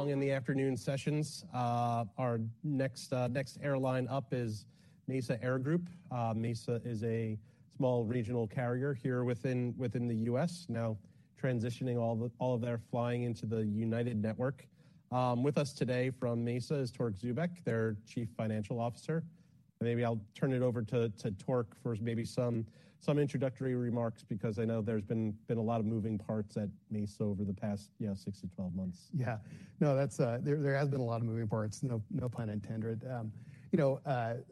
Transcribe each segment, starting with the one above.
Along in the afternoon sessions, our next airline up is Mesa Air Group. Mesa is a small regional carrier here within the U.S., now transitioning all of their flying into the United Network. With us today from Mesa is Torque Zubeck, their Chief Financial Officer. Maybe I'll turn it over to Torque for some introductory remarks because I know there's been a lot of moving parts at Mesa over the past, yeah, 6 to 12 months. Yeah. No, that's. There has been a lot of moving parts. No pun intended. You know,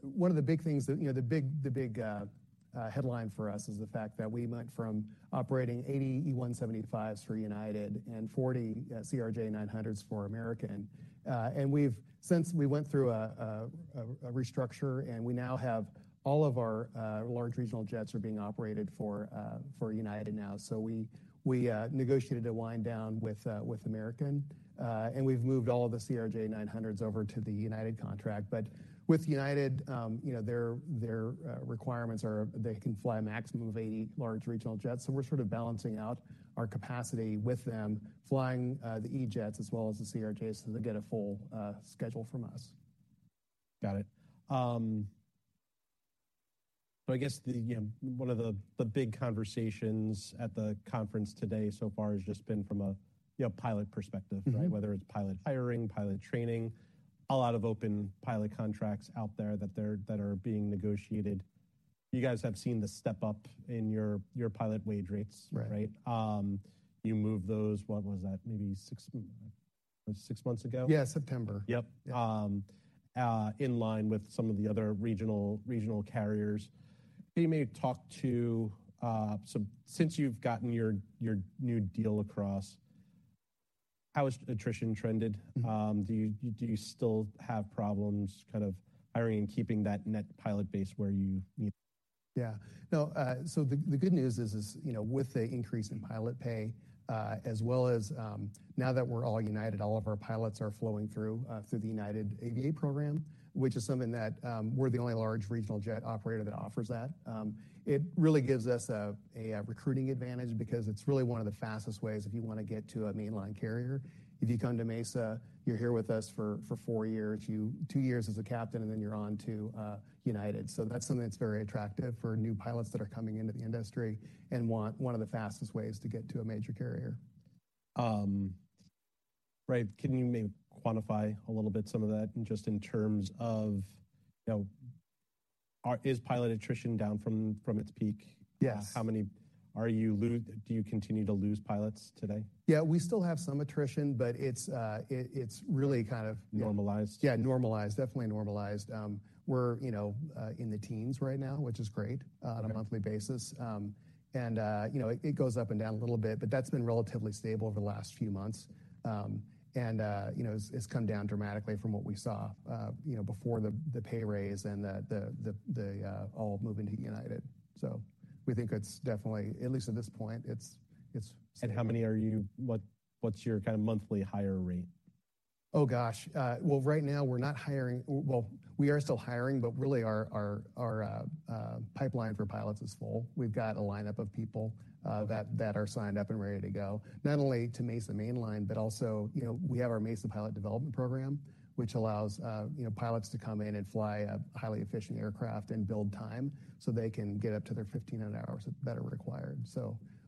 one of the big things that, you know, the big headline for us is the fact that we went from operating 80 E175s for United and 40 CRJ900s for American. We've since we went through a restructure and we now have all of our large regional jets are being operated for United now. We negotiated a wind down with American, and we've moved all of the CRJ900s over to the United contract. With United, you know, their requirements are they can fly max move 80 large regional jets. We're sort of balancing out our capacity with them, flying, the E-Jets as well as the CRJs so they get a full schedule from us. Got it. I guess the, you know, one of the big conversations at the conference today so far has just been from a, you know, pilot perspective. Mm-hmm. Right? Whether it's pilot hiring, pilot training, a lot of open pilot contracts out there that are being negotiated. You guys have seen the step up in your pilot wage rates. Right. Right? You moved those, what was that? Maybe six months ago. Yeah, September. Yep. Yeah. In line with some of the other regional carriers. They may talk to. Since you've gotten your new deal across, how has attrition trended? Mm-hmm. Do you still have problems kind of hiring and keeping that net pilot base where you need? Yeah. No, so the good news is, you know, with the increase in pilot pay, as well as, now that we're all United, all of our pilots are flowing through the United Aviate program, which is something that we're the only large regional jet operator that offers that. It really gives us a recruiting advantage because it's really one of the fastest ways if you want to get to a mainline carrier. If you come to Mesa, you're here with us for four years, two years as a captain, and then you're on to United. That's something that's very attractive for new pilots that are coming into the industry and want one of the fastest ways to get to a major carrier. Right. Can you maybe quantify a little bit some of that and just in terms of, you know, is pilot attrition down from its peak? Yes. Do you continue to lose pilots today? Yeah, we still have some attrition, but it's really kind of. Normalized? Yeah, normalized. Definitely normalized. We're, you know, in the teens right now, which is great. Okay. On a monthly basis. You know, it goes up and down a little bit, but that's been relatively stable over the last few months. You know, it's come down dramatically from what we saw, you know, before the pay raise and the all moving to United. We think it's definitely, at least at this point, it's. What's your kinda monthly hire rate? Oh, gosh. Well, right now, well, we are still hiring, but really our pipeline for pilots is full. We've got a lineup of people that are signed up and ready to go, not only to Mesa Mainline, but also, you know, we have our Mesa Pilot Development Program, which allows, you know, pilots to come in and fly a highly efficient aircraft and build time so they can get up to their 1,500 hours that are required.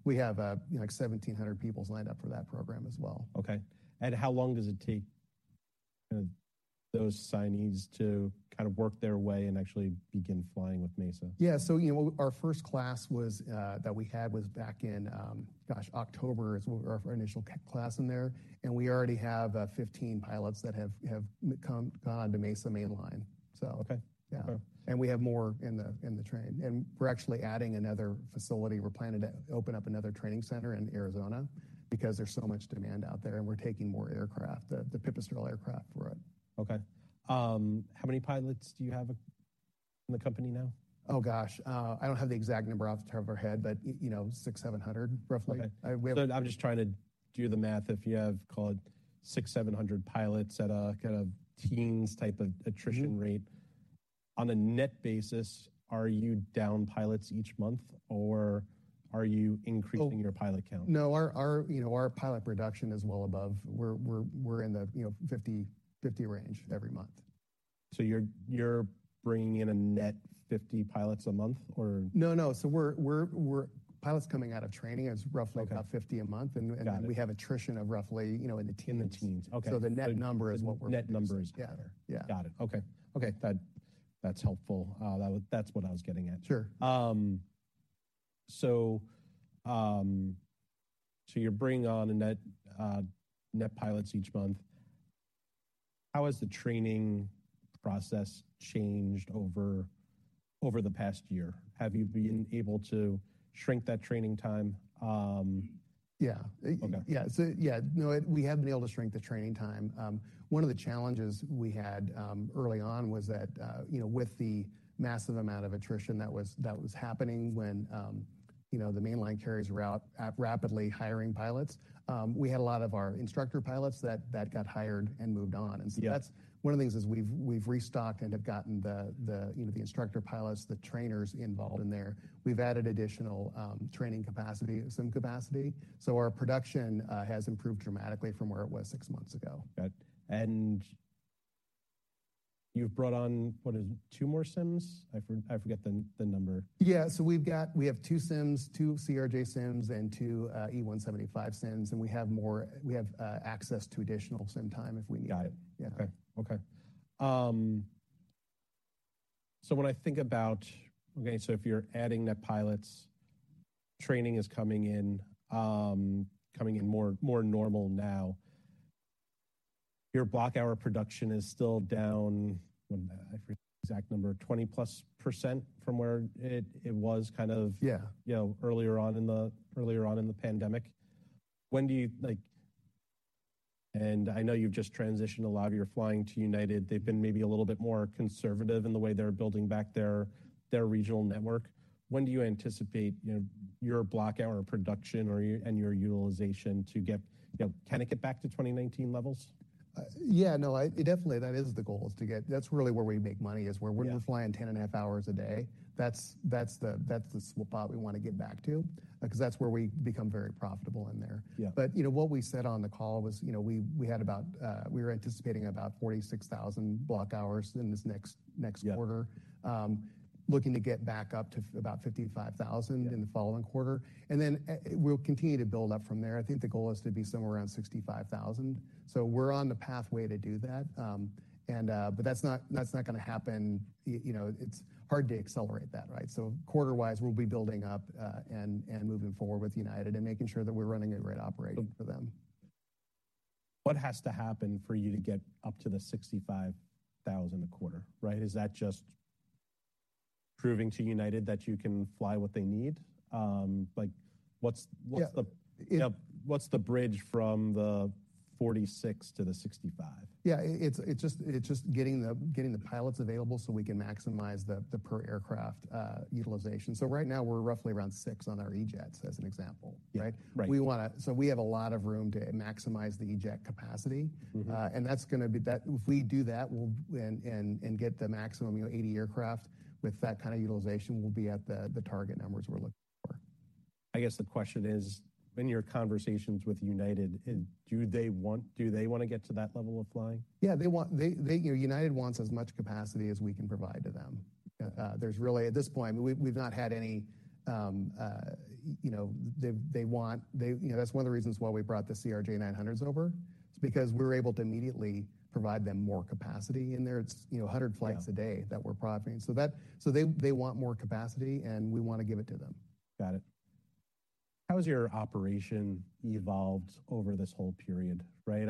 We have, you know, like 1,700 people lined up for that program as well. Okay. How long does it take, those signees to kind of work their way and actually begin flying with Mesa? Yeah, you know, our first class was that we had was back in gosh, October is our initial class in there. We already have 15 pilots that have come-gone to Mesa Mainline. Okay. Yeah. Okay. We have more in the train. We're actually adding another facility. We're planning to open up another training center in Arizona because there's so much demand out there, and we're taking more aircraft, the Pipistrel aircraft for it. Okay. How many pilots do you have in the company now? Oh, gosh. I don't have the exact number off the top of our head, but you know, 600, 700 roughly. Okay. We have. I'm just trying to do the math. If you have, call it 600-700 pilots at a kind of teens type of. Mm-hmm. Attrition rate. On a net basis, are you down pilots each month, or are you increasing your pilot count? No. Our, you know, our pilot production is well above. We're in the, you know, 50/50 range every month. You're bringing in a net 50 pilots a month, or? No, no. We're Pilots coming out of training is. Okay. About $50 a month. Got it. We have attrition of roughly, you know, in the teens. In the teens. Okay. The net number is what. Net number is better. Yeah. Yeah. Got it. Okay. Okay. That, helpful. That's what I was getting at. Sure. You're bringing on a net pilots each month. How has the training process changed over the past year? Have you been able to shrink that training time? Yeah. Okay. Yeah. Yeah. No, we have been able to shrink the training time. One of the challenges we had, early on was that, you know, with the massive amount of attrition that was happening when, you know, the mainline carriers were out, rapidly hiring pilots, we had a lot of our instructor pilots that got hired and moved on. Yeah. That's one of the things is we've restocked and have gotten the, you know, the instructor pilots, the trainers involved in there. We've added additional training capacity, some capacity. Our production has improved dramatically from where it was six months ago. Got it. You've brought on, what is it? Two more sims? I forget the number. Yeah. We've got We have 2 sims, 2 CRJ sims, and 2 E175 sims, and we have access to additional sim time if we need. Got it. Yeah. Okay. When I think about, okay, so if you're adding net pilots, training is coming in more normal now. Your block hour production is still down, what am I? I forget the exact number, 20%+ from where it was kind of. Yeah. You know, earlier on in the pandemic. I know you've just transitioned a lot of your flying to United. They've been maybe a little bit more conservative in the way they're building back their regional network. When do you anticipate, you know, your block hour production and your utilization to get, you know, kind of get back to 2019 levels? Yeah, no, That's really where we make money is. Yeah. We're flying 10 and a half hours a day. That's the spot we want to get back to, 'cause that's where we become very profitable in there. Yeah. What we said on the call was, you know, we had about, we were anticipating about 46,000 block hours in this next quarter. Yeah. Looking to get back up to about 55,000. Yeah. In the following quarter. We'll continue to build up from there. I think the goal is to be somewhere around 65,000. We're on the pathway to do that, and, but that's not, that's not going to happen, you know. It's hard to accelerate that, right? Quarter-wise, we'll be building up, and moving forward with United and making sure that we're running a great operating for them. What has to happen for you to get up to the $65,000 a quarter, right? Is that just proving to United that you can fly what they need? Yeah. What's the bridge from the 46 to the 65? Yeah. It's just getting the pilots available so we can maximize the per aircraft utilization. Right now, we're roughly around 6 on our E-jets, as an example, right? Yeah. Right. We have a lot of room to maximize the E-Jet capacity. Mm-hmm. If we do that, and get the maximum, you know, 80 aircraft with that kind of utilization, we'll be at the target numbers we're looking for. I guess the question is, in your conversations with United, do they want to get to that level of flying? Yeah. You know, United wants as much capacity as we can provide to them. There's really. At this point, we've not had any, you know, they want, you know, that's one of the reasons why we brought the CRJ900s over. It's because we're able to immediately provide them more capacity in there. It's, you know, 100 flights. Yeah. A day that we're profiting. They want more capacity, and we want to give it to them. Got it. How has your operation evolved over this whole period, right?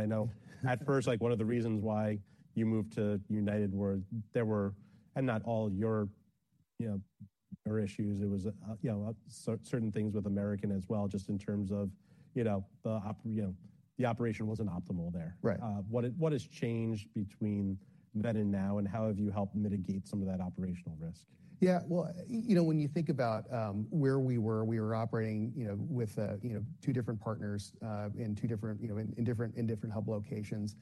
At first, like, one of the reasons why you moved to United were there were. Not all your, you know, your issues. It was, you know, certain things with American as well, just in terms of, you know, the operation wasn't optimal there. Right. What has changed between then and now, and how have you helped mitigate some of that operational risk? Yeah. Well, you know, when you think about, where we were, we were operating, you know, with, you know, two different partners, in two different, you know, in different hub locations.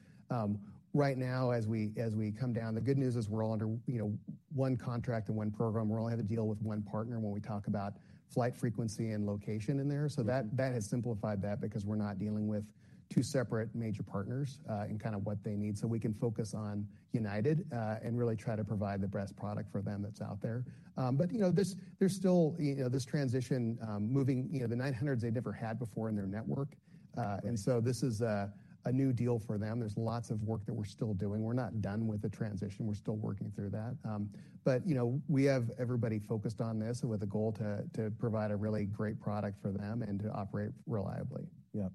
Right now, as we come down, the good news is we're all under, you know, one contract and one program. We only have to deal with one partner when we talk about flight frequency and location in there. Mm-hmm. That has simplified that because we're not dealing with two separate major partners, and kind of what they need. We can focus on United, and really try to provide the best product for them that's out there. You know, there's still, you know, this transition, moving, you know, the 900s they never had before in their network. Right. This is a new deal for them. There's lots of work that we're still doing. We're not done with the transition. We're still working through that. you know, we have everybody focused on this with a goal to provide a really great product for them and to operate reliably. Yeah.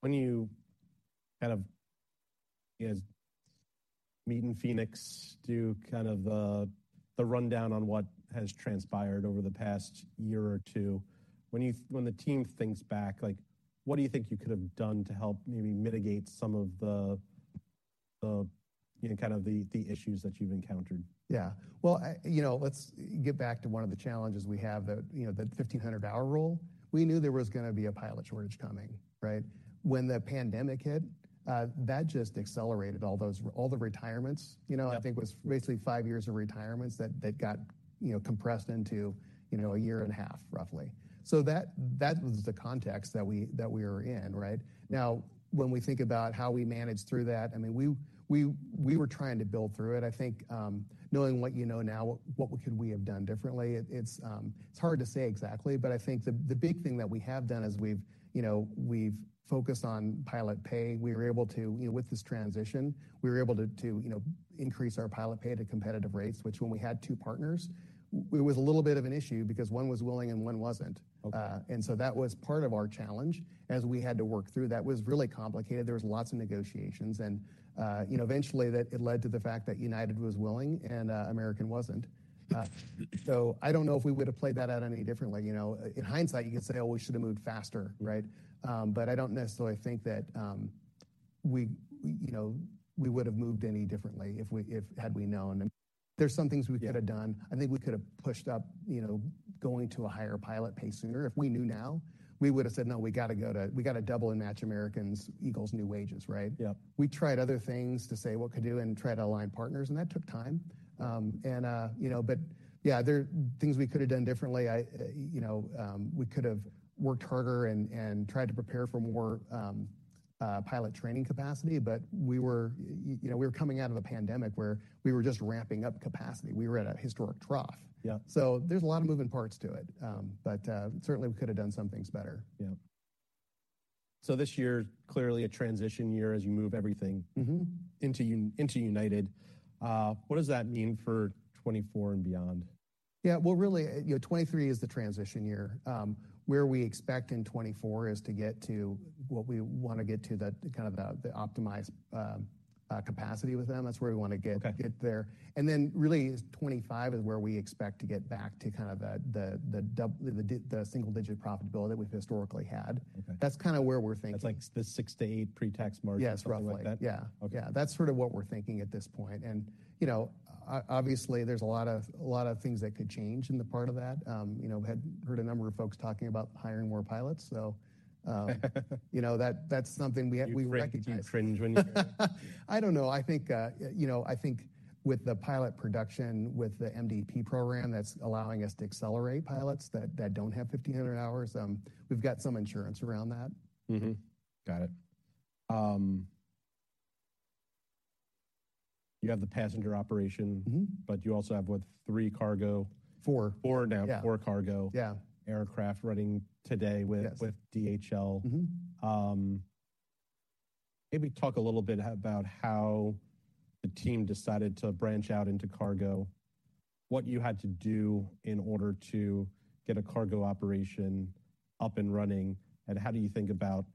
When you kind of, you know, meet in Phoenix, do kind of the rundown on what has transpired over the past year or two. When the team thinks back, like, what do you think you could have done to help maybe mitigate some of the, you know, kind of the issues that you've encountered? Yeah. Well, you know, let's get back to one of the challenges we have, you know, the 1,500-hour rule. We knew there was going to be a pilot shortage coming, right? When the pandemic hit, that just accelerated all the retirements. You know. Yeah. I think it was basically five years of retirements that got, you know, compressed into, you know, a year and a half, roughly. That was the context that we were in, right? When we think about how we managed through that, I mean, we were trying to build through it. I think knowing what you know now, what could we have done differently? It's hard to say exactly, but I think the big thing that we have done is we've, you know, we've focused on pilot pay. We were able to, you know, with this transition, we were able to, you know, increase our pilot pay to competitive rates, which when we had two partners, it was a little bit of an issue because one was willing and one wasn't. Okay. That was part of our challenge as we had to work through. That was really complicated. There was lots of negotiations and, you know, eventually it led to the fact that United was willing and, American wasn't. Yeah. I don't know if we would've played that out any differently. You know, in hindsight, you could say, "Oh, we should have moved faster," right? I don't necessarily think that, we, you know, we would've moved any differently if we had we known. There's some things we could have done. I think we could have pushed up, you know, going to a higher pilot pay sooner. If we knew now, we would've said, "No, we got to double and match American Eagle's new wages," right? Yep. We tried other things to say what could do and tried to align partners, and that took time. Yeah, there are things we could have done differently. We could have worked harder and tried to prepare for more pilot training capacity. We were coming out of a pandemic where we were just ramping up capacity. We were at a historic trough. Yeah. There's a lot of moving parts to it. Certainly we could have done some things better. Yeah. This year, clearly a transition year as you move everything. Mm-hmm. Into United. What does that mean for 2024 and beyond? Yeah. Well, really, you know, 2023 is the transition year. Where we expect in 2024 is to get to what we want to get to, kind of the optimized capacity with them. That's where we want to get. Okay. Get there. really, 2025 is where we expect to get back to kind of the single-digit profitability we've historically had. Okay. That's kinda where we're thinking. That's like the 6%-8% pre-tax margin. Yes, roughly. Something like that? Yeah. Okay. Yeah. That's sort of what we're thinking at this point. You know, obviously, there's a lot of things that could change in the part of that. You know, we had heard a number of folks talking about hiring more pilots. You know, that's something we recognize. You cringe when you hear it. I don't know. I think, you know, I think with the pilot production, with the MDP program that's allowing us to accelerate pilots that don't have 1,500 hours, we've got some insurance around that. Got it. You have the passenger operation. Mm-hmm. You also have, what? 3 cargo. Four. Four now. Yeah. Four cargo- Yeah. Aircraft running today with. Yes. With DHL. Mm-hmm. Maybe talk a little bit about how the team decided to branch out into cargo, what you had to do in order to get a cargo operation up and running, and how do you think about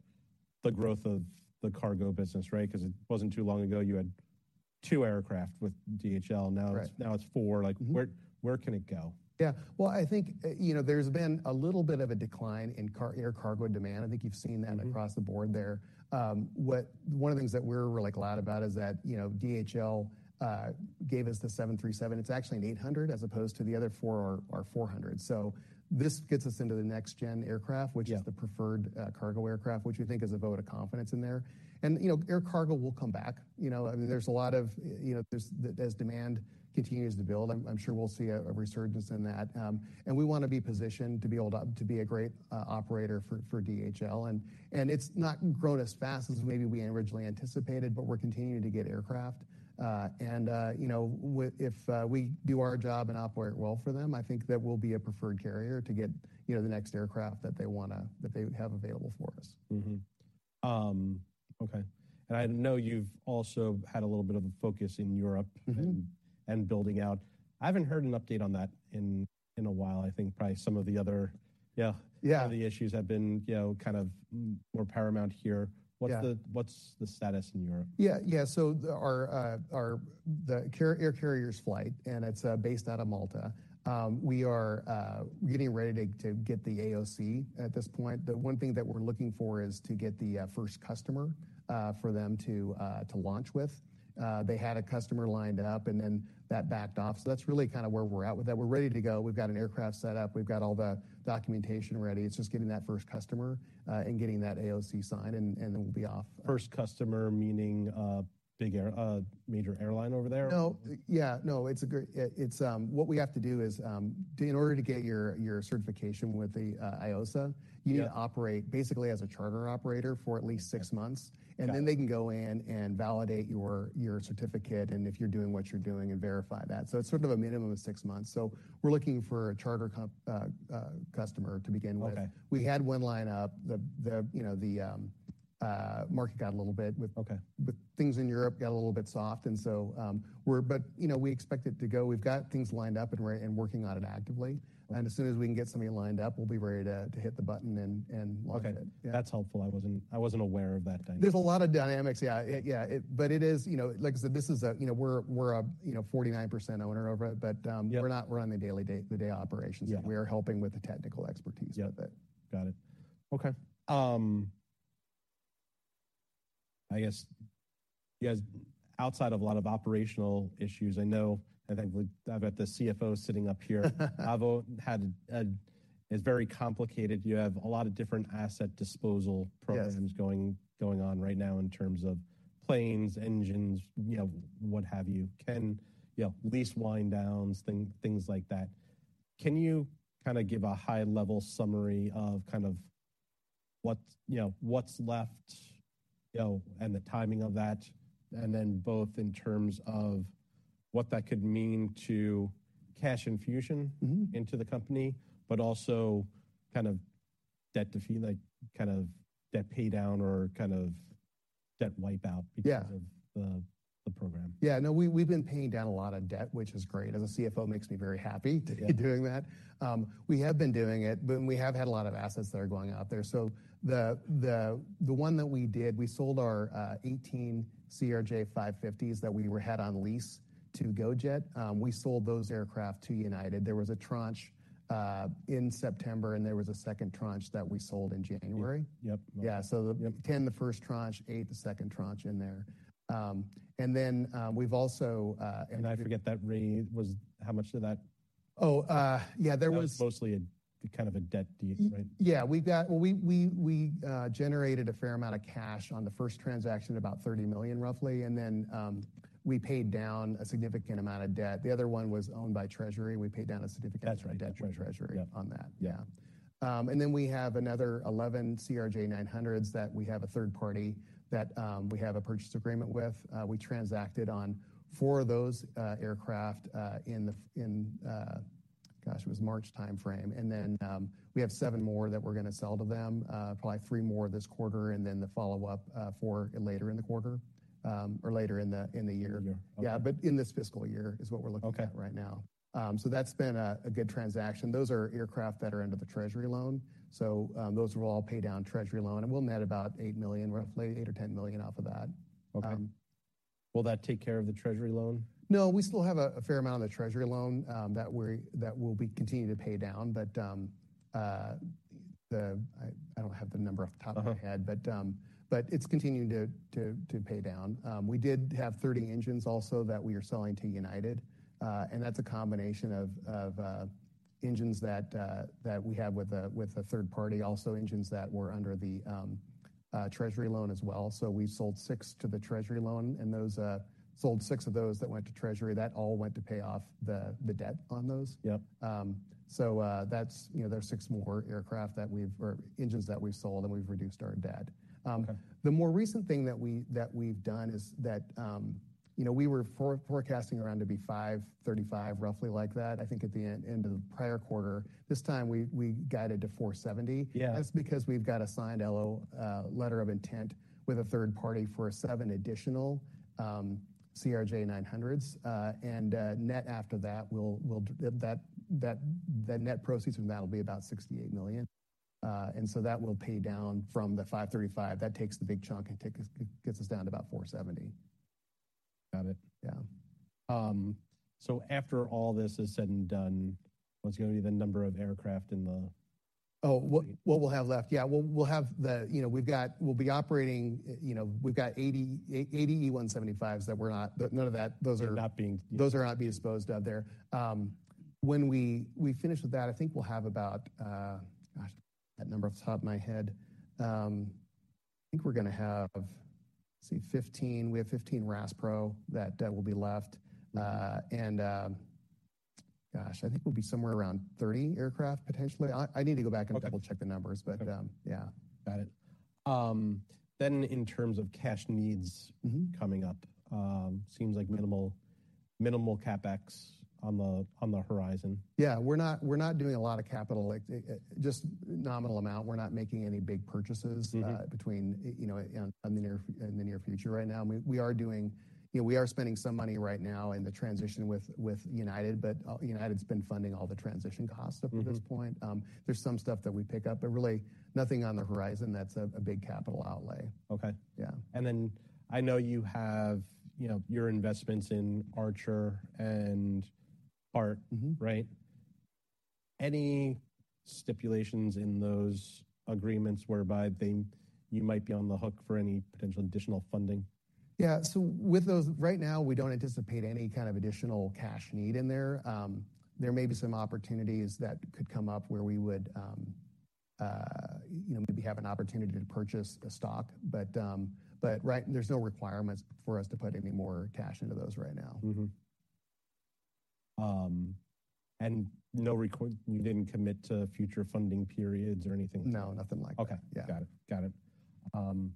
the growth of the cargo business, right? 'Cause it wasn't too long ago you had 2 aircraft with DHL. Correct. Now it's 4. Mm-hmm. Like, where can it go? Yeah. Well, I think, you know, there's been a little bit of a decline in air cargo demand. I think you've seen that. Mm-hmm. Across the board there. One of the things that we're really glad about is that, you know, DHL gave us the 737. It's actually an 800 as opposed to the other 4 are 400. This gets us into the next-gen aircraft. Yeah. Which is the preferred cargo aircraft, which we think is a vote of confidence in there. You know, air cargo will come back. You know, I mean, there's a lot of, you know, As demand continues to build, I'm sure we'll see a resurgence in that. We want to be positioned to be able to be a great operator for DHL. It's not grown as fast as maybe we originally anticipated, but we're continuing to get aircraft. You know, if we do our job and operate well for them, I think that we'll be a preferred carrier to get, you know, the next aircraft that they have available for us. Okay. I know you've also had a little bit of a focus in Europe. Mm-hmm. And building out. I haven't heard an update on that in a while. I think probably some of the other. Yeah, yeah. Other issues have been, you know, kind of more paramount here. Yeah. What's the status in Europe? Yeah. Yeah. Our Air Carriers flight, and it's based out of Malta. We are getting ready to get the AOC at this point. The one thing that we're looking for is to get the first customer for them to launch with. They had a customer lined up, and then that backed off. That's really kinda where we're at with that. We're ready to go. We've got an aircraft set up. We've got all the documentation ready. It's just getting that first customer and getting that AOC signed, and then we'll be off. First customer meaning, a major airline over there? No. Yeah. What we have to do is, in order to get your certification with the, IOSA. Yeah. You need to operate basically as a charter operator for at least six months. Got it. Then they can go in and validate your certificate and if you're doing what you're doing and verify that. It's sort of a minimum of six months. We're looking for a charter customer to begin with. Okay. We had one line up. The, you know, market got a little bit. Okay. Things in Europe got a little bit soft. You know, we expect it to go. We've got things lined up and working on it actively. Okay. As soon as we can get somebody lined up, we'll be ready to hit the button and launch it. Okay. Yeah. That's helpful. I wasn't aware of that dynamic. There's a lot of dynamics. Yeah. Yeah. It is, you know... Like I said, this is a, you know... We're a, you know, 49% owner over it, but. Yeah. We're not running the day-to-day operations. Yeah. We are helping with the technical expertise with it. Yeah. Got it. Okay. I guess you guys, outside of a lot of operational issues, I know, I think I've got the CFO sitting up here. Avo had a. It's very complicated. You have a lot of different asset disposal programs. Yes. Going on right now in terms of planes, engines, you know, what have you? Can, you know, lease wind downs, things like that? Can you kinda give a high-level summary of kind of what's, you know, what's left, you know, and the timing of that, and then both in terms of what that could mean to cash infusion? Mm-hmm. Into the company, but also kind of debt to fee, like kind of debt pay down or kind of debt wipe out. Yeah. Because of the program. Yeah, no, we've been paying down a lot of debt, which is great. As a CFO, it makes me very happy. Yeah. To be doing that. We have been doing it, but we have had a lot of assets that are going out there. The one that we did, we sold our 18 CRJ-550s that we were had on lease to GoJet. We sold those aircraft to United. There was a tranche in September, and there was a second tranche that we sold in January. Yep. Yeah. 10 the first tranche, 8 the second tranche in there. we've also. I forget that rate was. How much did that-. Oh, yeah, there was. That was mostly a, kind of a debt deal, right? Yeah. We generated a fair amount of cash on the first transaction, about $30 million, roughly. We paid down a significant amount of debt. The other one was owned by Treasury. That's right. amount of debt to Treasury. Yep. On that. Yeah. We have another 11 CRJ900s that we have a third party that we have a purchase agreement with. We transacted on 4 of those aircraft in Gosh, it was March timeframe. We have 7 more that we're going to sell to them, probably 3 more this quarter, and then the follow-up 4 later in the quarter, or later in the, in the year. Year. Okay. Yeah. In this fiscal year is what we're looking at right now. Okay. That's been a good transaction. Those are aircraft that are under the Treasury loan. Those will all pay down Treasury loan, and we'll net about $8 million, roughly $8 million or $10 million off of that. Okay. Will that take care of the Treasury loan? No, we still have a fair amount of the Treasury loan that we'll be continuing to pay down. I don't have the number off the top of my head. Uh-huh. It's continuing to pay down. We did have 30 engines also that we are selling to United. That's a combination of engines that we have with a third party, also engines that were under the Treasury loan as well. We sold 6 to the Treasury loan, and those sold 6 of those that went to Treasury, that all went to pay off the debt on those. Yep. That's, you know, there's 6 more engines that we've sold, and we've reduced our debt. Okay. The more recent thing that we've done is that, you know, we were forecasting around to be $535, roughly like that, I think at the end of the prior quarter. This time, we guided to $470. Yeah. That's because we've got a signed LO, letter of intent with a third party for seven additional CRJ900s. net after that, the net proceeds from that will be about $68 million. that will pay down from the $535 million. That takes the big chunk and it gets us down to about $470 million. Got it. Yeah. After all this is said and done, what's going to be the number of aircraft in the. Oh, what we'll have left? Yeah. We'll be operating, you know, we've got 80 E175s that we're not. That none of that. Those are. They're not. Those are not being disposed of there. When we finish with that, I think we'll have about, gosh, that number off the top of my head. I think we're going to have, let's see, 15. We have 15 RASPRO that will be left. Gosh, I think we'll be somewhere around 30 aircraft, potentially. I need to go back and. Okay. Double-check the numbers, but, yeah. Got it. In terms of cash needs. Mm-hmm. Coming up, seems like minimal CapEx on the horizon. Yeah. We're not doing a lot of capital, like, just nominal amount. We're not making any big purchases. Mm-hmm. Between, you know, in the near future right now. I mean, you know, we are spending some money right now in the transition with United. United's been funding all the transition costs up. Mm-hmm. To this point. There's some stuff that we pick up, but really nothing on the horizon that's a big capital outlay. Okay. Yeah. I know you have, you know, your investments in Archer and ART. Mm-hmm. Right? Any stipulations in those agreements whereby you might be on the hook for any potential additional funding? Yeah. With those, right now, we don't anticipate any kind of additional cash need in there. There may be some opportunities that could come up where we would, you know, maybe have an opportunity to purchase a stock. There's no requirements for us to put any more cash into those right now. You didn't commit to future funding periods or anything? No, nothing like that. Okay. Yeah. Got it. Got it.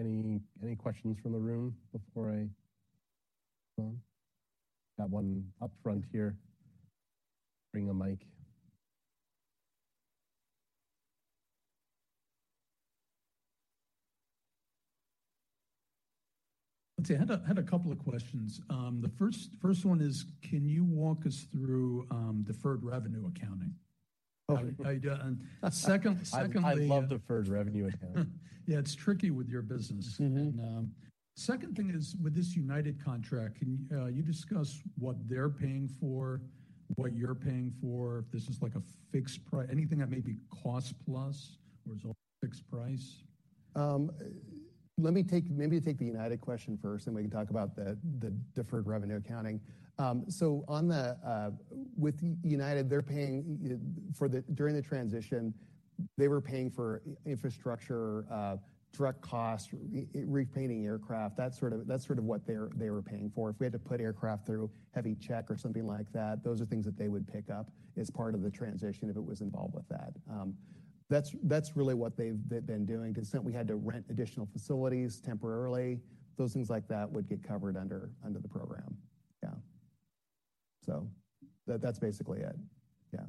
Any questions from the room before I go on? Got one upfront here. Bring a mic. Let's see. I had a couple of questions. The first one is, can you walk us through deferred revenue accounting? Okay. How you doing? Secondly. I love deferred revenue accounting. Yeah, it's tricky with your business. Mm-hmm. Second thing is, with this United contract, can you discuss what they're paying for, what you're paying for, if this is like a fixed anything that may be cost plus or is all fixed price? Let me take the United question first, and we can talk about the deferred revenue accounting. On the with United, they're paying for during the transition, they were paying for infrastructure, direct costs, repainting aircraft. That's sort of what they were paying for. If we had to put aircraft through heavy check or something like that, those are things that they would pick up as part of the transition if it was involved with that. That's really what they've been doing 'cause suddenly we had to rent additional facilities temporarily. Those things like that would get covered under the program. Yeah. That's basically it. Yeah.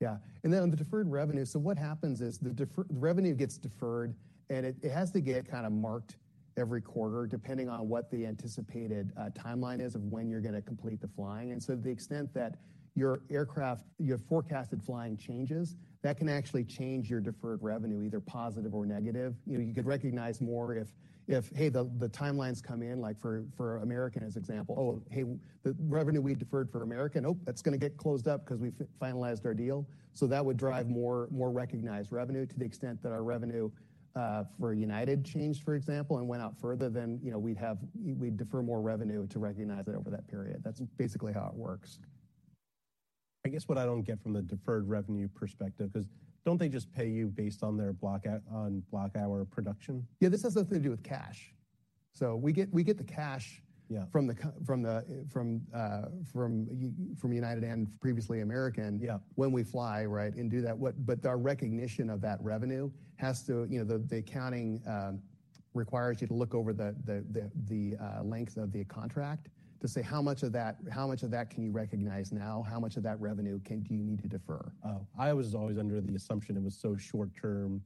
Yeah. On the deferred revenue, what happens is the revenue gets deferred, and it has to get kinda marked every quarter, depending on what the anticipated timeline is of when you're going to complete the flying. To the extent that your aircraft, your forecasted flying changes, that can actually change your deferred revenue, either positive or negative. You know, you could recognize more if, hey, the timelines come in, like for American as example. Oh, hey, the revenue we deferred for American, oh, that's going to get closed up 'cause we finalized our deal. That would drive more recognized revenue to the extent that our revenue for United changed, for example, and went out further than, you know, we'd defer more revenue to recognize it over that period. That's basically how it works. I guess what I don't get from the deferred revenue perspective because don't they just pay you based on their on block hour production? Yeah, this has nothing to do with cash. we get the cash. Yeah. From United and previously American. Yeah. When we fly, right, and do that. Our recognition of that revenue has to, you know, the accounting requires you to look over the length of the contract to say how much of that can you recognize now? How much of that revenue do you need to defer? I was always under the assumption it was so short-term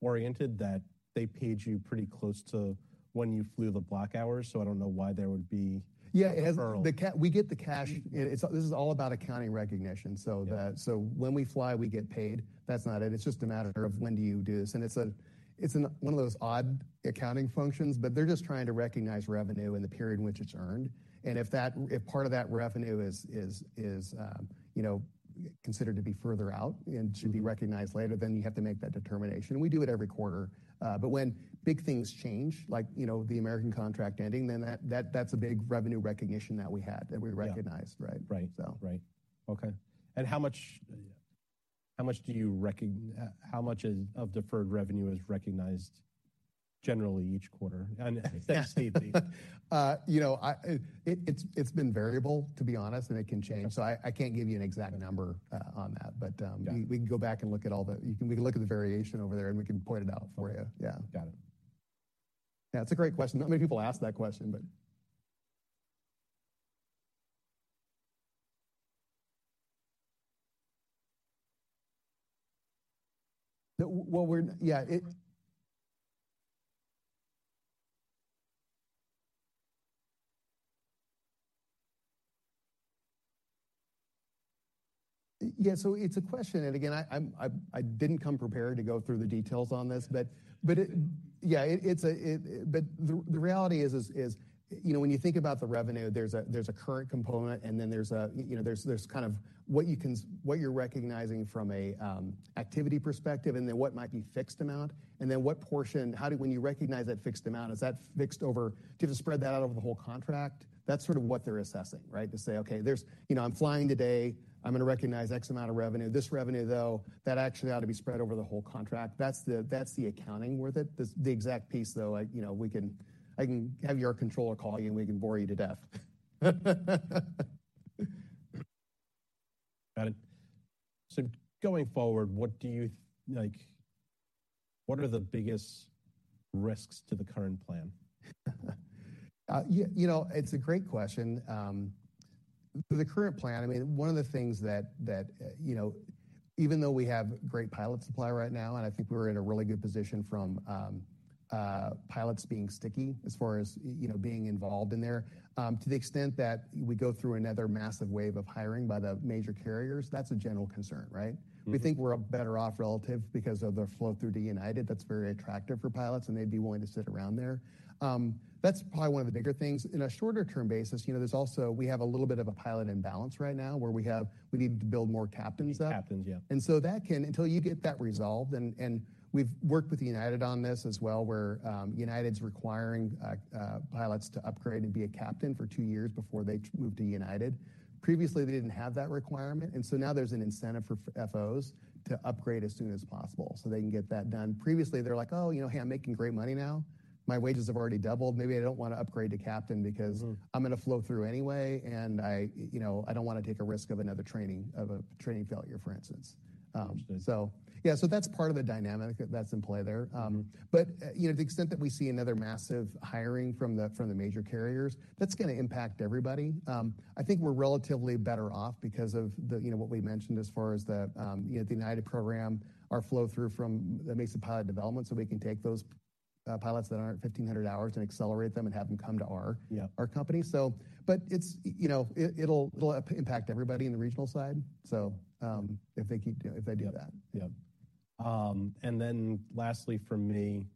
oriented that they paid you pretty close to when you flew the block hours. I don't know why there would be. Yeah. A peril. We get the cash. This is all about accounting recognition. Yeah. When we fly, we get paid. That's not it. It's just a matter of when do you do this? It's a, it's one of those odd accounting functions. They're just trying to recognize revenue in the period in which it's earned, and if part of that revenue is, is, you know, considered to be further out. Mm-hmm. Should be recognized later, then you have to make that determination. We do it every quarter. When big things change, like, you know, the American contract ending, then that's a big revenue recognition that we had, that we recognized. Yeah. Right. Right. So. Right. Okay. How much of deferred revenue is recognized generally each quarter? Thanks, Steve. You know, It's been variable, to be honest, and it can change. Okay. I can't give you an exact number, on that. Yeah. We can look at the variation over there, and we can point it out for you. Okay. Yeah. Got it. Yeah, it's a great question. Not many people ask that question. It's a question, I didn't come prepared to go through the details on this. The reality is, you know, when you think about the revenue, there's a current component, and then there's, you know, kind of what you're recognizing from an activity perspective and then what might be fixed amount. When you recognize that fixed amount, do you have to spread that out over the whole contract? That's sort of what they're assessing, right? To say, "You know, I'm flying today. I'm going to recognize X amount of revenue. This revenue, though, that actually ought to be spread over the whole contract. That's the accounting with it. The exact piece, though, you know, I can have your controller call you, and we can bore you to death. Got it. Going forward, Like, what are the biggest risks to the current plan? You know, it's a great question. The current plan, I mean, one of the things that, you know, even though we have great pilot supply right now, and I think we're in a really good position from pilots being sticky as far as, you know, being involved in there, to the extent that we go through another massive wave of hiring by the major carriers, that's a general concern, right? Mm-hmm. We think we're a better off relative because of the flow through to United that's very attractive for pilots, and they'd be willing to sit around there. That's probably one of the bigger things. In a shorter term basis, you know, there's also, we have a little bit of a pilot imbalance right now, where we have, we need to build more captains up. Need captains, yeah. Until you get that resolved, and we've worked with United on this as well, where United's requiring pilots to upgrade and be a captain for two years before they move to United. Previously, they didn't have that requirement, and so now there's an incentive for FOs to upgrade as soon as possible, so they can get that done. Previously, they're like, "Oh, you know, hey, I'm making great money now. My wages have already doubled. Maybe I don't want to upgrade to captain because- Mm-hmm. I'm going to flow through anyway, and I, you know, I don't want to take a risk of another training failure," for instance. Understood. Yeah. That's part of the dynamic that's in play there. You know, the extent that we see another massive hiring from the, from the major carriers, that's going to impact everybody. I think we're relatively better off because of the, you know, what we mentioned as far as the, you know, the United program, our flow through from the Mesa pilot development, so we can take those pilots that aren't 1,500 hours and accelerate them and have them come to our. Yeah. Our company, so. It's, you know, it'll impact everybody in the regional side, so, if they do that. Yeah. Yeah. lastly from me,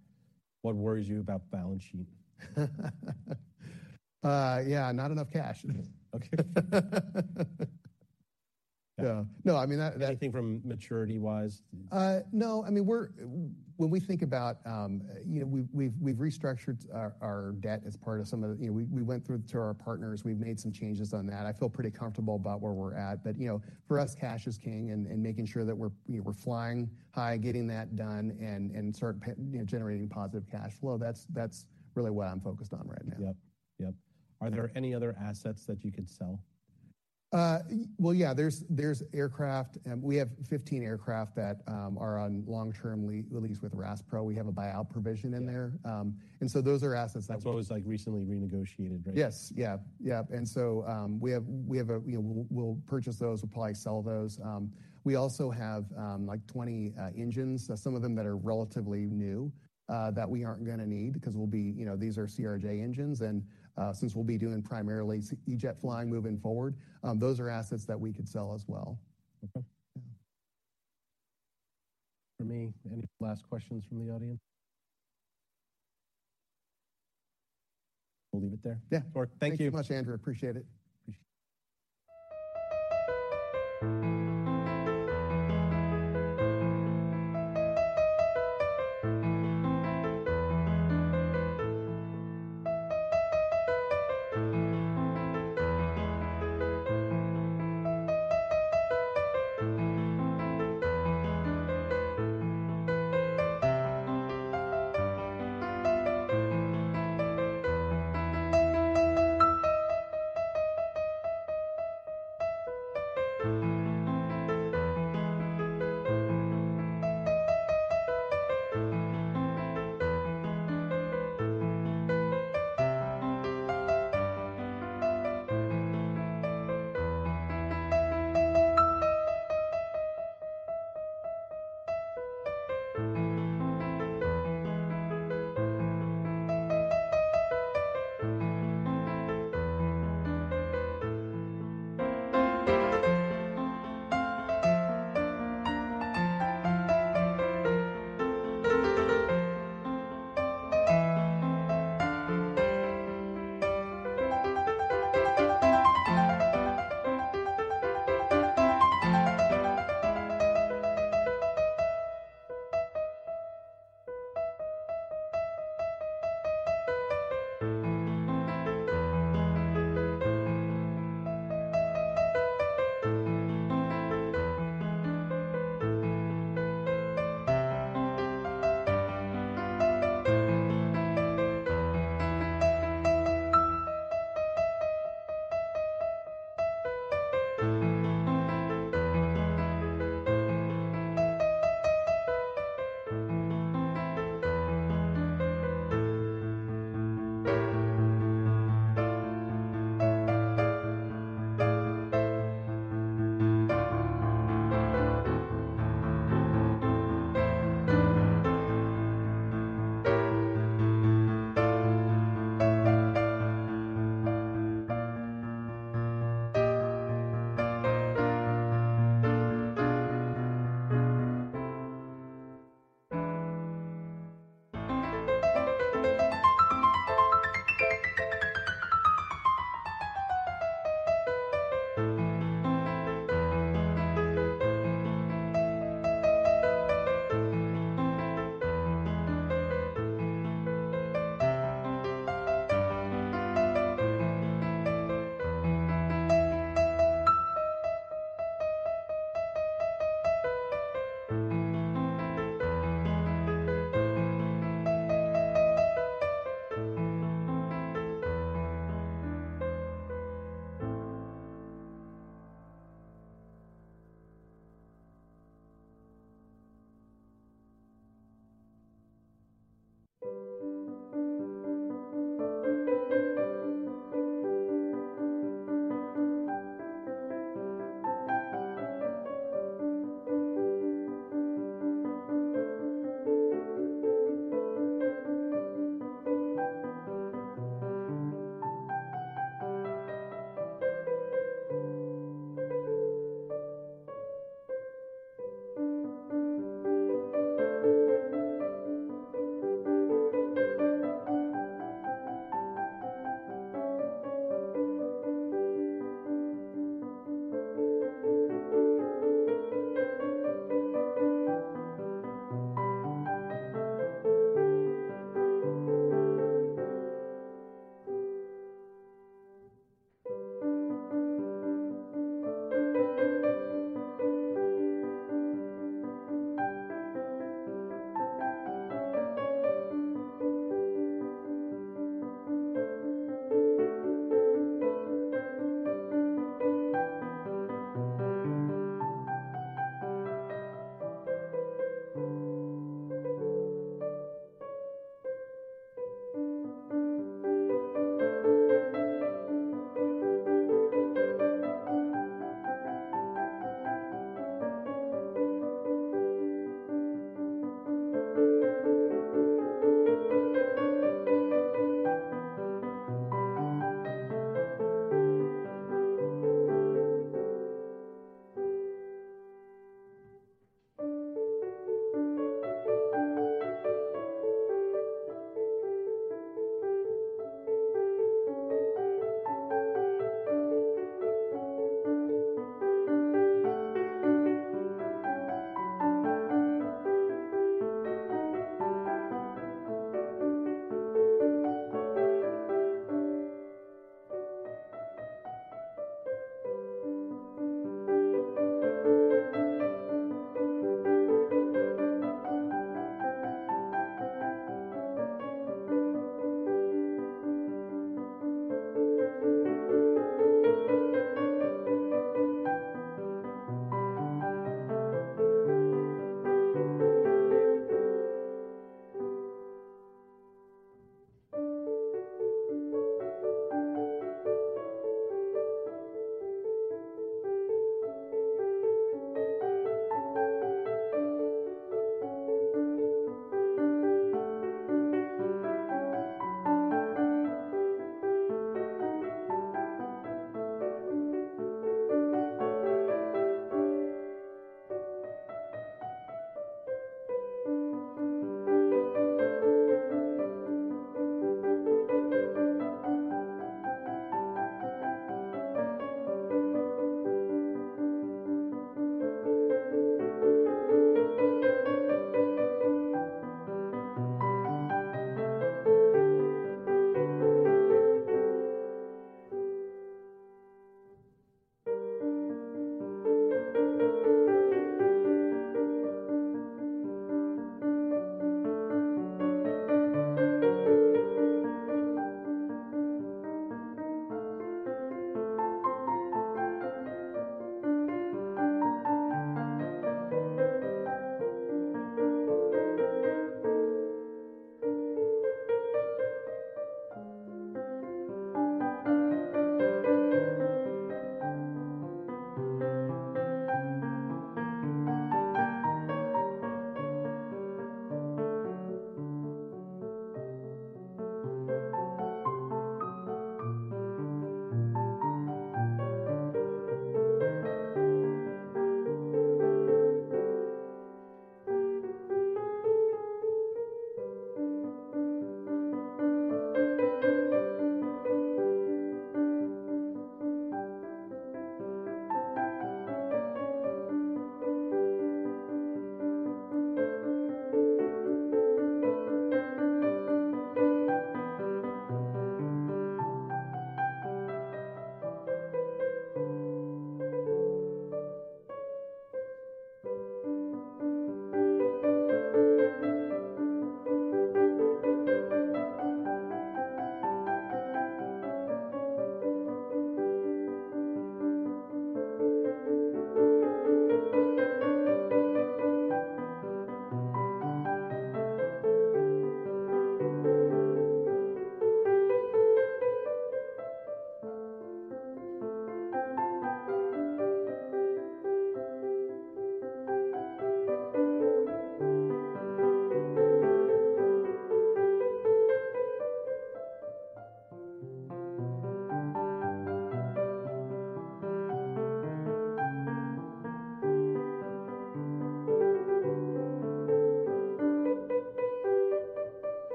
what worries you about the balance sheet? Yeah. Not enough cash. Okay. Yeah. No, I mean, that. Anything from maturity-wise? No. I mean, when we think about, you know, we've restructured our debt as part of some of the... You know, we went through to our partners. We've made some changes on that. I feel pretty comfortable about where we're at, but, you know, for us, cash is king, and making sure that we're, you know, we're flying high, getting that done and start, you know, generating positive cash flow. That's really what I'm focused on right now. Yep. Yep. Are there any other assets that you could sell? Well, yeah. There's aircraft. We have 15 aircraft that are on long-term lease with RASPRO. We have a buyout provision in there. Yeah. Those are assets that we. That's what was, like, recently renegotiated, right? Yes. Yeah. Yeah. We'll purchase those. We'll probably sell those. We also have like 20 engines, some of them that are relatively new, that we aren't going to need because we'll be. You know, these are CRJ engines, and since we'll be doing primarily E-jet flying moving forward, those are assets that we could sell as well. Okay. Yeah. From me, any last questions from the audience? We'll leave it there. Yeah. Thank you. Thank you much, Andrew. Appreciate it.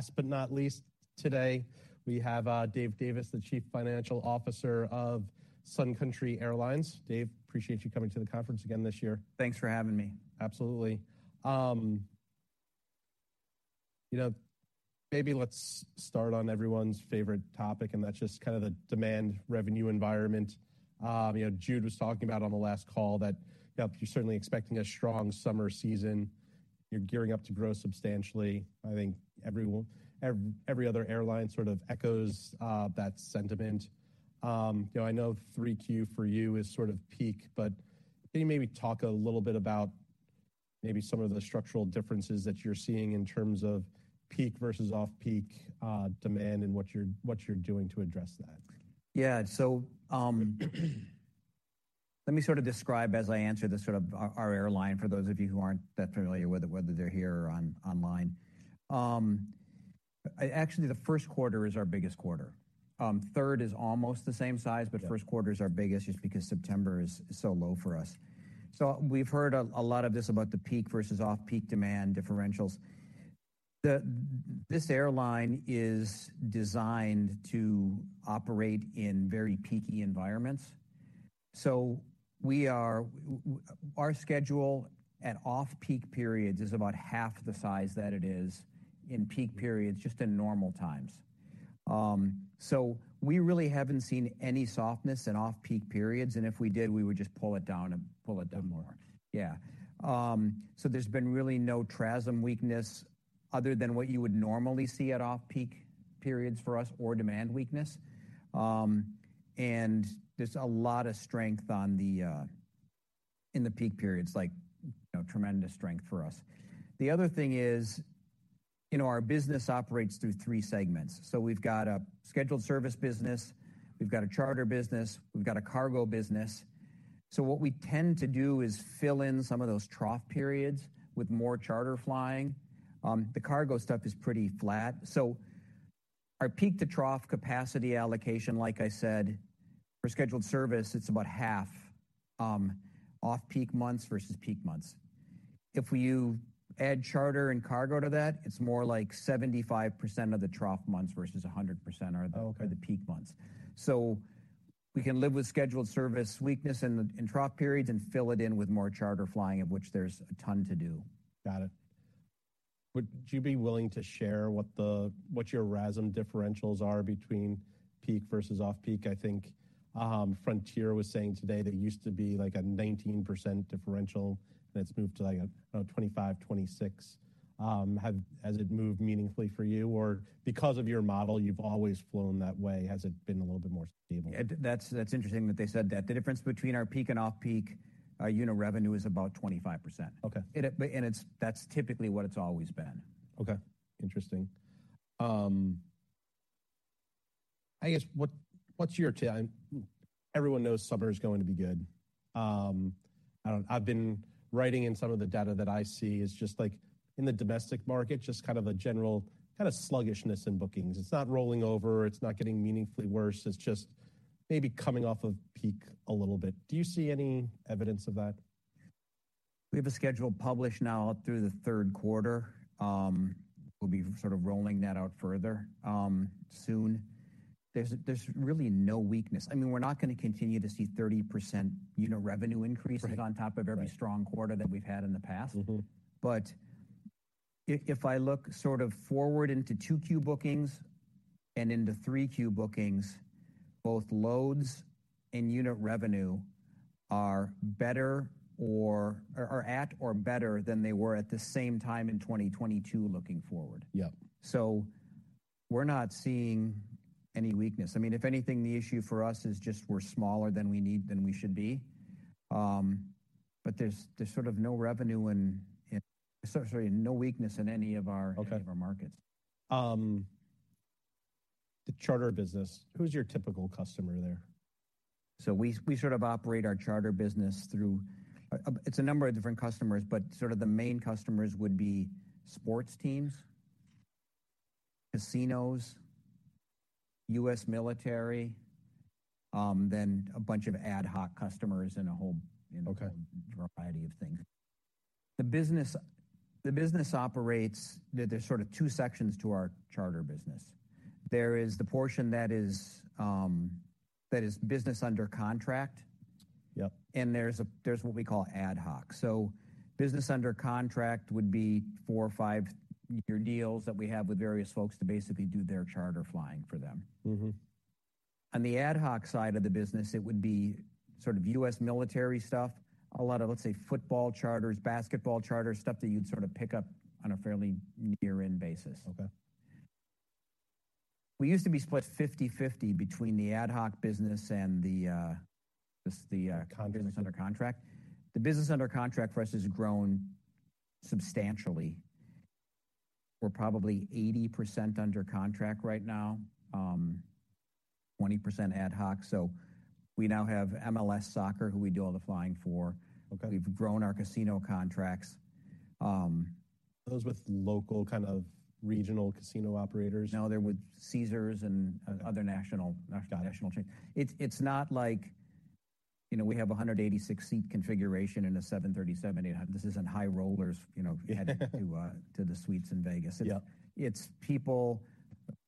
Last but not least today, we have, Dave Davis, the Chief Financial Officer of Sun Country Airlines. Dave, appreciate you coming to the conference again this year. Thanks for having me. Absolutely. You know, maybe let's start on everyone's favorite topic, that's just kind of the demand revenue environment. You know, Jude was talking about on the last call that you're certainly expecting a strong summer season. You're gearing up to grow substantially. I think every other airline sort of echoes that sentiment. You know, I know 3Q for you is sort of peak, but can you maybe talk a little bit about maybe some of the structural differences that you're seeing in terms of peak versus off-peak demand and what you're doing to address that? Yeah. Let me sort of describe as I answer the sort of our airline for those of you who aren't that familiar with it, whether they're here or online. Actually, the first quarter is our biggest quarter. Third is almost the same size. Yeah. First quarter is our biggest just because September is so low for us. We've heard a lot of this about the peak versus off-peak demand differentials. This airline is designed to operate in very peaky environments. We are. Our schedule at off-peak periods is about half the size that it is in peak periods, just in normal times. We really haven't seen any softness in off-peak periods, and if we did, we would just pull it down and pull it down more. Pull it down more. Yeah. There's been really no TRASM weakness other than what you would normally see at off-peak periods for us or demand weakness. There's a lot of strength on the in the peak periods, like, you know, tremendous strength for us. The other thing is, you know, our business operates through 3 segments. We've got a scheduled service business, we've got a charter business, we've got a cargo business. What we tend to do is fill in some of those trough periods with more charter flying. The cargo stuff is pretty flat. Our peak to trough capacity allocation, like I said, for scheduled service, it's about half, off-peak months versus peak months. If you add charter and cargo to that, it's more like 75% of the trough months versus 100%. Okay. The peak months. We can live with scheduled service weakness in trough periods and fill it in with more charter flying of which there's a ton to do. Got it. Would you be willing to share what your RASM differentials are between peak versus off-peak? I think Frontier was saying today there used to be like a 19% differential, and it's moved to like 25%-26%. Has it moved meaningfully for you? Because of your model, you've always flown that way, has it been a little bit more stable? That's interesting that they said that. The difference between our peak and off-peak, you know, revenue is about 25%. Okay. That's typically what it's always been. Okay. Interesting. I guess what's your take? Everyone knows summer is going to be good. I've been writing in some of the data that I see is just like in the domestic market, just kind of a general kind of sluggishness in bookings. It's not rolling over. It's not letting meaningfully worse. It's just maybe coming off of peak a little bit. Do you see any evidence of that? We have a schedule published now through the third quarter. We'll be sort of rolling that out further, soon. There's really no weakness. I mean, we're not going to continue to see 30% unit revenue increases. Right On top of every strong quarter that we've had in the past. Mm-hmm. If I look sort of forward into 2Q bookings and into 3Q bookings, both loads and unit revenue are at or better than they were at the same time in 2022 looking forward. Yeah. We're not seeing any weakness. I mean, if anything, the issue for us is just we're smaller than we should be. But there's sort of no revenue in. Sorry, no weakness in any of our- Okay Any of our markets. The charter business, who's your typical customer there? We sort of operate our charter business through, it's a number of different customers, but sort of the main customers would be sports teams, casinos, U.S. military, then a bunch of ad hoc customers and a whole, you know. Okay Variety of things. The business. There's sort of two sections to our charter business. There is the portion that is business under contract. Yep. There's what we call ad hoc. Business under contract would be four or five-year deals that we have with various folks to basically do their charter flying for them. Mm-hmm. On the ad hoc side of the business, it would be sort of U.S. military stuff, a lot of, let's say, football charters, basketball charters, stuff that you'd sort of pick up on a fairly year-end basis. Okay. We used to be split 50/50 between the ad hoc business and the... Contracts Business under contract. The business under contract for us has grown substantially. We're probably 80% under contract right now, 20% ad hoc. We now have MLS Soccer, who we do all the flying for. Okay. We've grown our casino contracts. Those with local kind of regional casino operators? No, they're with Caesars and other national chains. It's not like, you know, we have a 186 seat configuration in a 737. This isn't high rollers, you know, heading to the suites in Vegas. Yeah. It's people,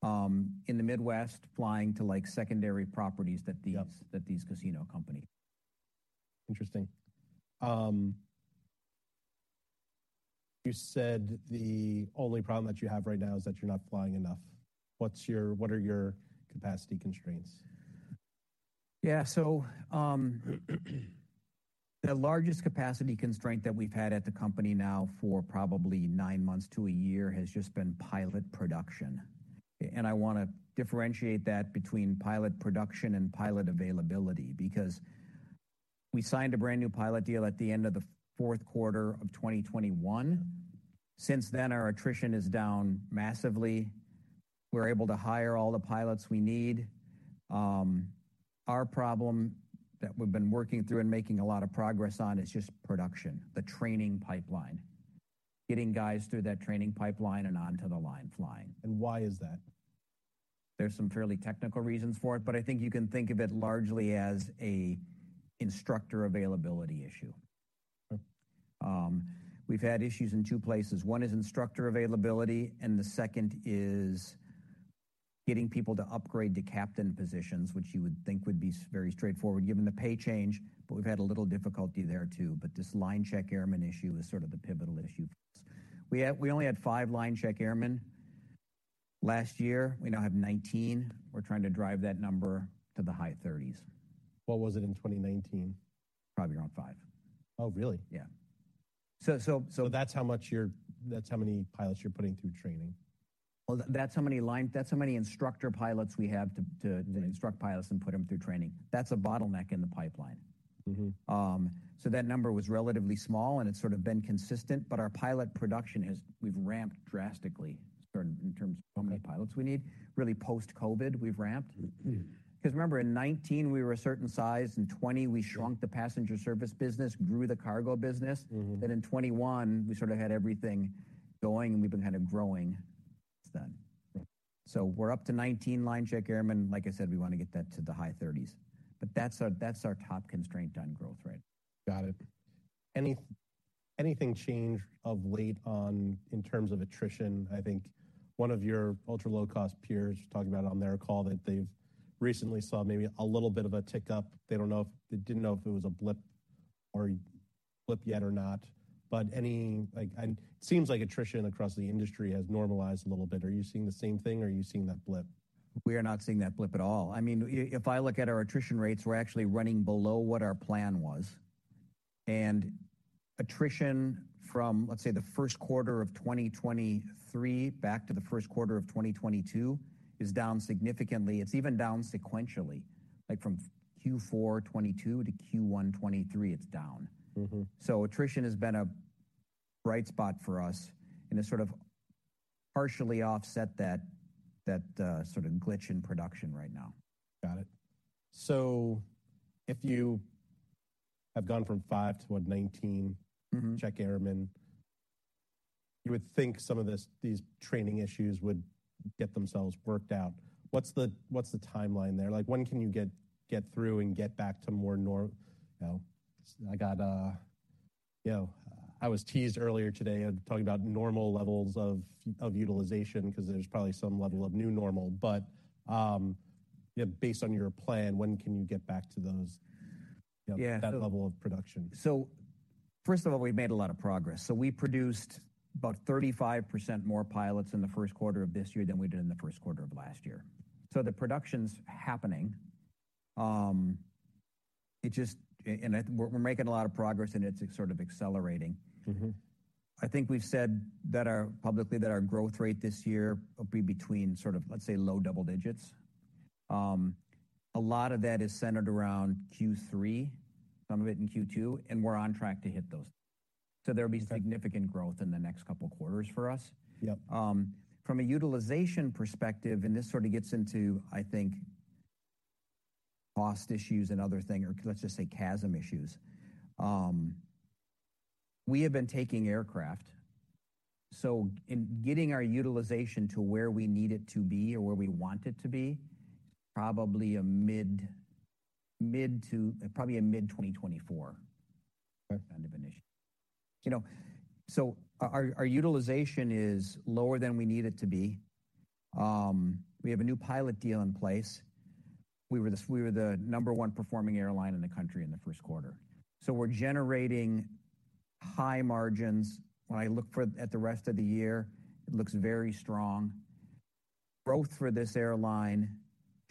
in the Midwest flying to, like, secondary properties. Yeah That these casino company. Interesting. You said the only problem that you have right now is that you're not flying enough. What are your capacity constraints? Yeah. The largest capacity constraint that we've had at the company now for probably 9 months to 1 year has just been pilot production. I want to differentiate that between pilot production and pilot availability, because we signed a brand new pilot deal at the end of the fourth quarter of 2021. Since then, our attrition is down massively. We're able to hire all the pilots we need. Our problem that we've been working through and making a lot of progress on is just production, the training pipeline, getting guys through that training pipeline and onto the line flying. Why is that? There's some fairly technical reasons for it, but I think you can think of it largely as an instructor availability issue. Okay. We've had issues in two places. One is instructor availability, and the second is getting people to upgrade to captain positions, which you would think would be very straightforward given the pay change. We've had a little difficulty there, too. This line check airman issue is sort of the pivotal issue for us. We only had five line check airmen last year. We now have 19. We're trying to drive that number to the high 30s. What was it in 2019? Probably around five. Oh, really? Yeah. That's how many pilots you're putting through training. Well, that's how many instructor pilots we have to. Mm-hmm To instruct pilots and put them through training. That's a bottleneck in the pipeline. Mm-hmm. That number was relatively small, and it's sort of been consistent. Our pilot production is we've ramped drastically sort of in terms of how many pilots we need. Really post-COVID, we've ramped. Mm-hmm. Remember, in 2019 we were a certain size. In 2020 we shrunk the passenger service business, grew the cargo business. Mm-hmm. In 2021, we sort of had everything going, and we've been kind of growing since then. We're up to 19 line check airmen. I said, we want to get that to the high 30s, that's our, that's our top constraint on growth rate. Got it. Anything changed of late on in terms of attrition? I think one of your ultra-low-cost peers talking about on their call that they've recently saw maybe a little bit of a tick up. They didn't know if it was a blip yet or not. It seems like attrition across the industry has normalized a little bit. Are you seeing the same thing or are you seeing that blip? We are not seeing that blip at all. I mean, if I look at our attrition rates, we're actually running below what our plan was. Attrition from, let's say, the first quarter of 2023 back to the first quarter of 2022 is down significantly. It's even down sequentially. From Q4 2022 to Q1 2023, it's down. Mm-hmm. Attrition has been a bright spot for us and has sort of partially offset that, sort of glitch in production right now. Got it. If you have gone from 5 to what, 19? Mm-hmm check airmen, you would think some of these training issues would get themselves worked out. What's the timeline there? Like, when can you get through and get back to more. You know, I was teased earlier today at talking about normal levels of utilization because there's probably some level of new normal. Based on your plan, when can you get back to those. Yeah. That level of production? First of all, we've made a lot of progress. We produced about 35% more pilots in the first quarter of this year than we did in the first quarter of last year. The production's happening. And we're making a lot of progress, and it's sort of accelerating. Mm-hmm. I think we've said that publicly that our growth rate this year will be between sort of, let's say, low double digits. A lot of that is centered around Q3, some of it in Q2, and we're on track to hit those. Okay. Significant growth in the next couple of quarters for us. Yep. From a utilization perspective, this sort of gets into, I think, cost issues and other thing, or let's just say CASM issues. We have been taking aircraft, in getting our utilization to where we need it to be or where we want it to be, probably a mid-2024. Okay. Kind of an issue. You know, our utilization is lower than we need it to be. We have a new pilot deal in place. We were the number one performing airline in the country in the first quarter. We're generating high margins. When I look at the rest of the year, it looks very strong. Growth for this airline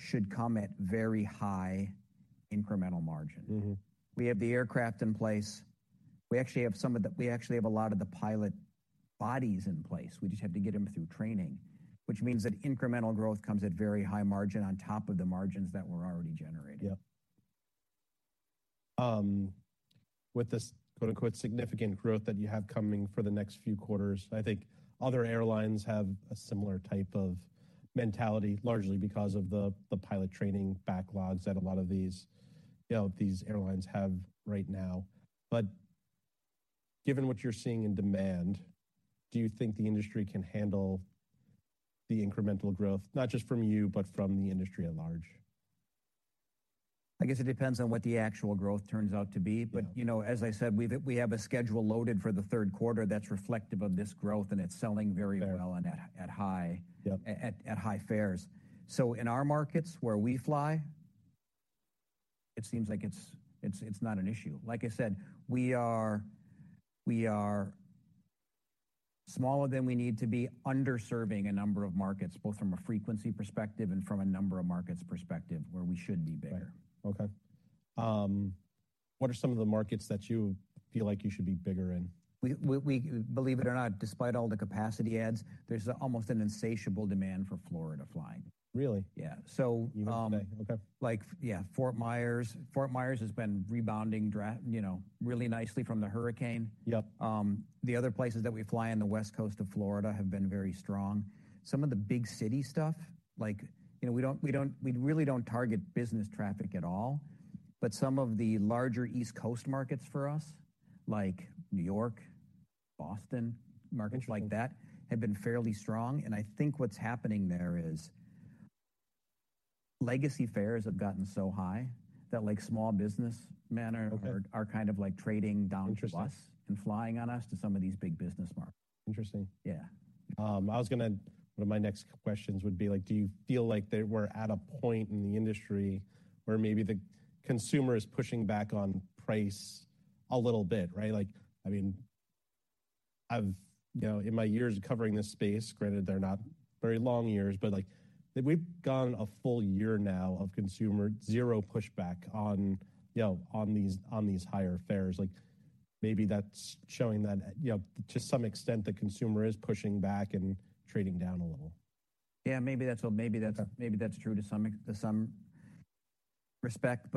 should come at very high incremental margin. Mm-hmm. We have the aircraft in place. We actually have a lot of the pilot bodies in place. We just have to get them through training, which means that incremental growth comes at very high margin on top of the margins that we're already generating. Yeah. with this quote, unquote, "significant growth" that you have coming for the next few quarters, I think other airlines have a similar type of mentality, largely because of the pilot training backlogs that a lot of these, you know, these airlines have right now. Given what you're seeing in demand, do you think the industry can handle the incremental growth, not just from you, but from the industry at large? I guess it depends on what the actual growth turns out to be. Yeah. You know, as I said, we have a schedule loaded for the third quarter that's reflective of this growth, and it's selling very well. Fair. Yep. At high fares. In our markets where we fly, it seems like it's not an issue. Like I said, we are smaller than we need to be, underserving a number of markets, both from a frequency perspective and from a number of markets perspective where we should be bigger. Right. Okay. What are some of the markets that you feel like you should be bigger in? Believe it or not, despite all the capacity ads, there's almost an insatiable demand for Florida flying. Really? Yeah. Even today. Okay. Like, yeah, Fort Myers. Fort Myers has been rebounding you know, really nicely from the hurricane. Yep. The other places that we fly in the West Coast of Florida have been very strong. Some of the big city stuff, like, you know, we really don't target business traffic at all. Some of the larger East Coast markets for us, like New York, Boston, markets like that, have been fairly strong. I think what's happening there is legacy fares have gotten so high that, like, small business. Okay. Are kind of, like, trading down to us Interesting. Flying on us to some of these big business markets. Interesting. Yeah. One of my next questions would be like, do you feel like that we're at a point in the industry where maybe the consumer is pushing back on price a little bit, right? I mean, I've, you know, in my years of covering this space, granted, they're not very long years, but, like, we've gone a full year now of consumer zero pushback on, you know, on these, on these higher fares. Maybe that's showing that, you know, to some extent, the consumer is pushing back and trading down a little. Yeah, maybe that's- Okay. maybe that's true to some respect.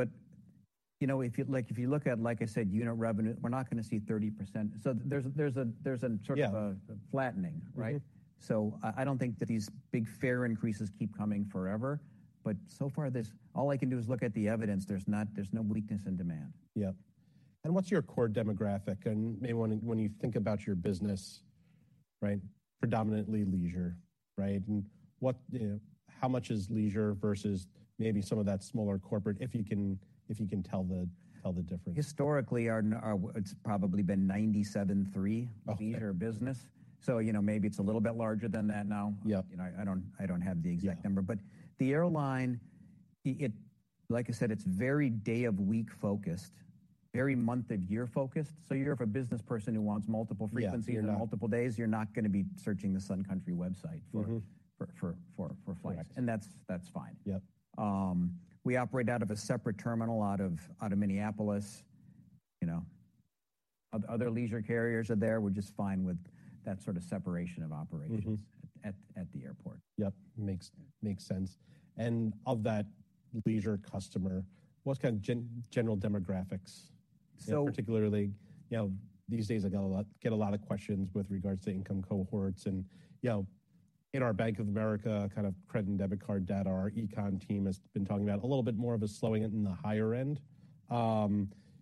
You know, if you like, if you look at, like I said, unit revenue, we're not going to see 30%. There's a sort of. Yeah. Flattening, right? Mm-hmm. I don't think that these big fare increases keep coming forever, but so far all I can do is look at the evidence. There's no weakness in demand. Yep. What's your core demographic? Maybe when you think about your business, right? Predominantly leisure, right? What, you know, how much is leisure versus maybe some of that smaller corporate, if you can tell the difference. Historically, it's probably been 97/3. Okay. Leisure business. You know, maybe it's a little bit larger than that now. Yep. You know, I don't have the exact number. Yeah. The airline, it, like I said, it's very day of week-focused, very month of year-focused. You're a business person who wants multiple frequency. Yeah. Or multiple days, you're not going to be searching the Sun Country website. Mm-hmm. For flights. Exactly. That's fine. Yep. We operate out of a separate terminal out of, out of Minneapolis. You know, other leisure carriers are there. We're just fine with that sort of separation of operations. Mm-hmm. At the airport. Yep. Makes sense. Of that leisure customer, what's kind of general demographics? So. You know, particularly, you know, these days, I get a lot of questions with regards to income cohorts and, you know, in our Bank of America kind of credit and debit card data, our econ team has been talking about a little bit more of a slowing it in the higher end. You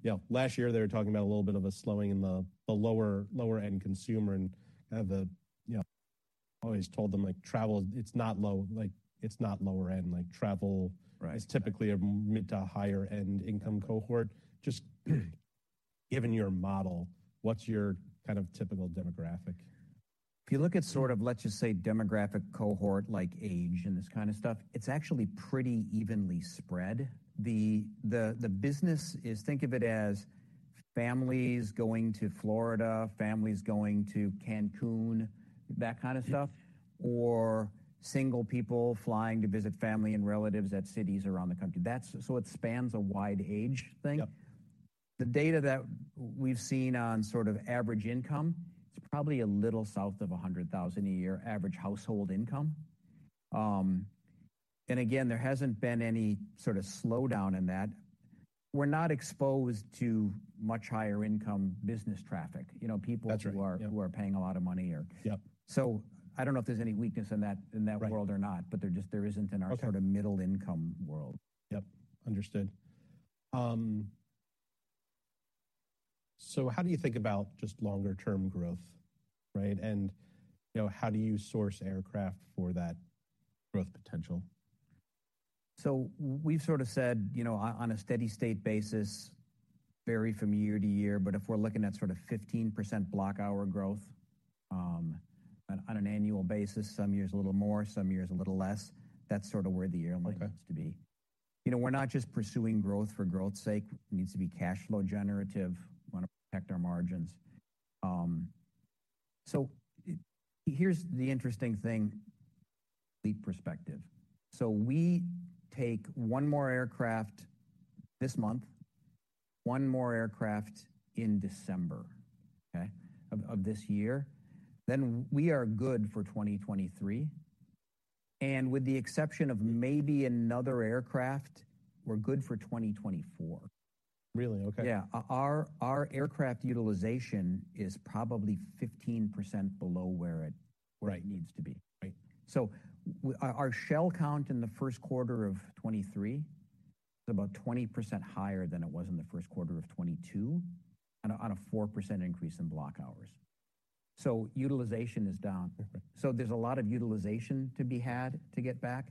know, last year, they were talking about a little bit of a slowing in the lower-end consumer and kind of the, you know, I always told them, like, travel, it's not low. Like, it's not lower end. Like, travel. Right. Is typically a mid to higher end income cohort. Just given your model, what's your kind of typical demographic? If you look at sort of, let's just say, demographic cohort, like age and this kind of stuff, it's actually pretty evenly spread. The business, think of it as families going to Florida, families going to Cancun, that kind of stuff. Yeah. Single people flying to visit family and relatives at cities around the country. It spans a wide age thing. Yep. The data that we've seen on sort of average income, it's probably a little south of $100,000 a year average household income. Again, there hasn't been any sort of slowdown in that. We're not exposed to much higher income business traffic. You know, people. That's right. Yep. Who are paying a lot of money or. Yep. I don't know if there's any weakness in that, in that world or not. Right. There isn't in our. Okay. Sort of middle-income world. Yep. Understood. How do you think about just longer term growth, right? You know, how do you source aircraft for that growth potential? We've sort of said, you know, on a steady state basis, vary from year to year. If we're looking at sort of 15% block hour growth, on an annual basis, some years a little more, some years a little less, that's sort of where the airline. Okay. Needs to be. You know, we're not just pursuing growth for growth's sake. It needs to be cash flow generative. Wanna protect our margins. Here's the interesting thing, fleet perspective. We take one more aircraft this month, one more aircraft in December, okay, of this year, then we are good for 2023. With the exception of maybe another aircraft, we're good for 2024. Really? Okay. Yeah. Our aircraft utilization is probably 15% below where. Right. Where it needs to be. Right. Our shell count in the first quarter of 2023 is about 20% higher than it was in the first quarter of 2022 on a 4% increase in block hours. Utilization is down. Okay. There's a lot of utilization to be had to get back.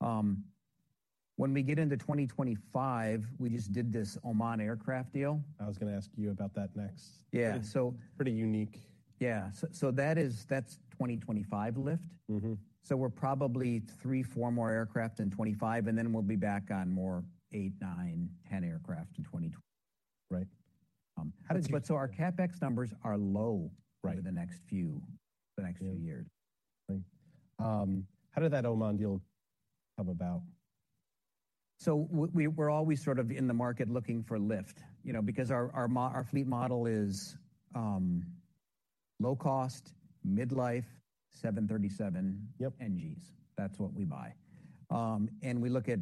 When we get into 2025, we just did this Oman aircraft deal. I was going to ask you about that next. Yeah. Pretty unique. Yeah. That's 2025 lift. Mm-hmm. We're probably three, four more aircraft in 2025, and then we'll be back on more eight, nine, 10 aircraft. Right. Our CapEx numbers are low. Right. For the next few years. Yeah. Great. How did that Oman deal come about? We're always sort of in the market looking for lift, you know, because our fleet model is, low cost, mid-life, 737-. Yep. NGs. That's what we buy. We look at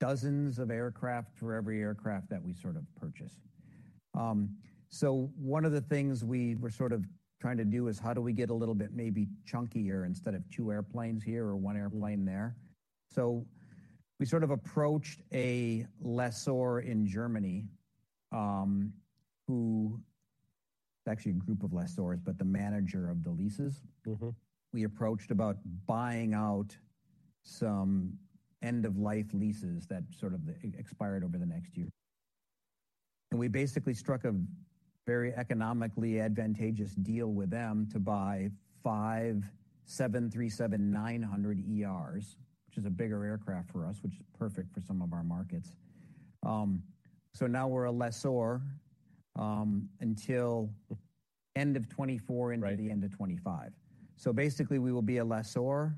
dozens of aircraft for every aircraft that we sort of purchase. One of the things we were sort of trying to do is how do we get a little bit maybe chunkier instead of 2 airplanes here or 1 airplane there. We sort of approached a lessor in Germany. It's actually a group of lessors, but the manager of the leases. Mm-hmm. We approached about buying out some end-of-life leases that sort of e-expired over the next year. We basically struck a very economically advantageous deal with them to buy 5 737-900ERs, which is a bigger aircraft for us, which is perfect for some of our markets. Now we're a lessor until end of 2024. Right. Into the end of 2025. Basically, we will be a lessor.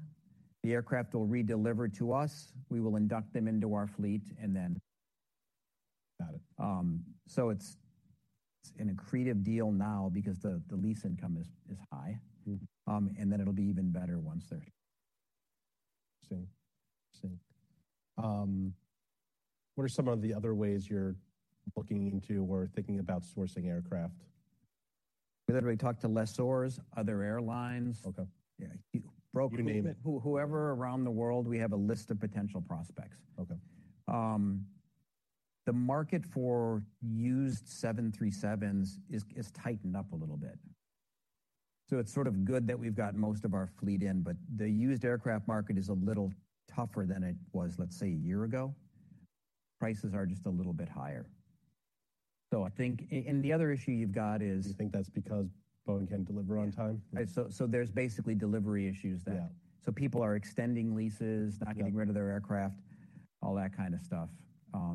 The aircraft will redeliver to us, we will induct them into our fleet, and then. Got it. It's an accretive deal now because the lease income is high. Mm-hmm. It'll be even better once they're... I see. I see. What are some of the other ways you're looking into or thinking about sourcing aircraft? We literally talk to lessors, other airlines. Okay. Yeah. You name it. Whoever around the world, we have a list of potential prospects. Okay. The market for used 737s is tightened up a little bit. It's sort of good that we've got most of our fleet in. The used aircraft market is a little tougher than it was, let's say, a year ago. Prices are just a little bit higher. I think. And the other issue you've got is. Do you think that's because Boeing can't deliver on time? Yeah. There's basically delivery issues there. Yeah. People are extending leases. Got it. Not getting rid of their aircraft, all that kind of stuff.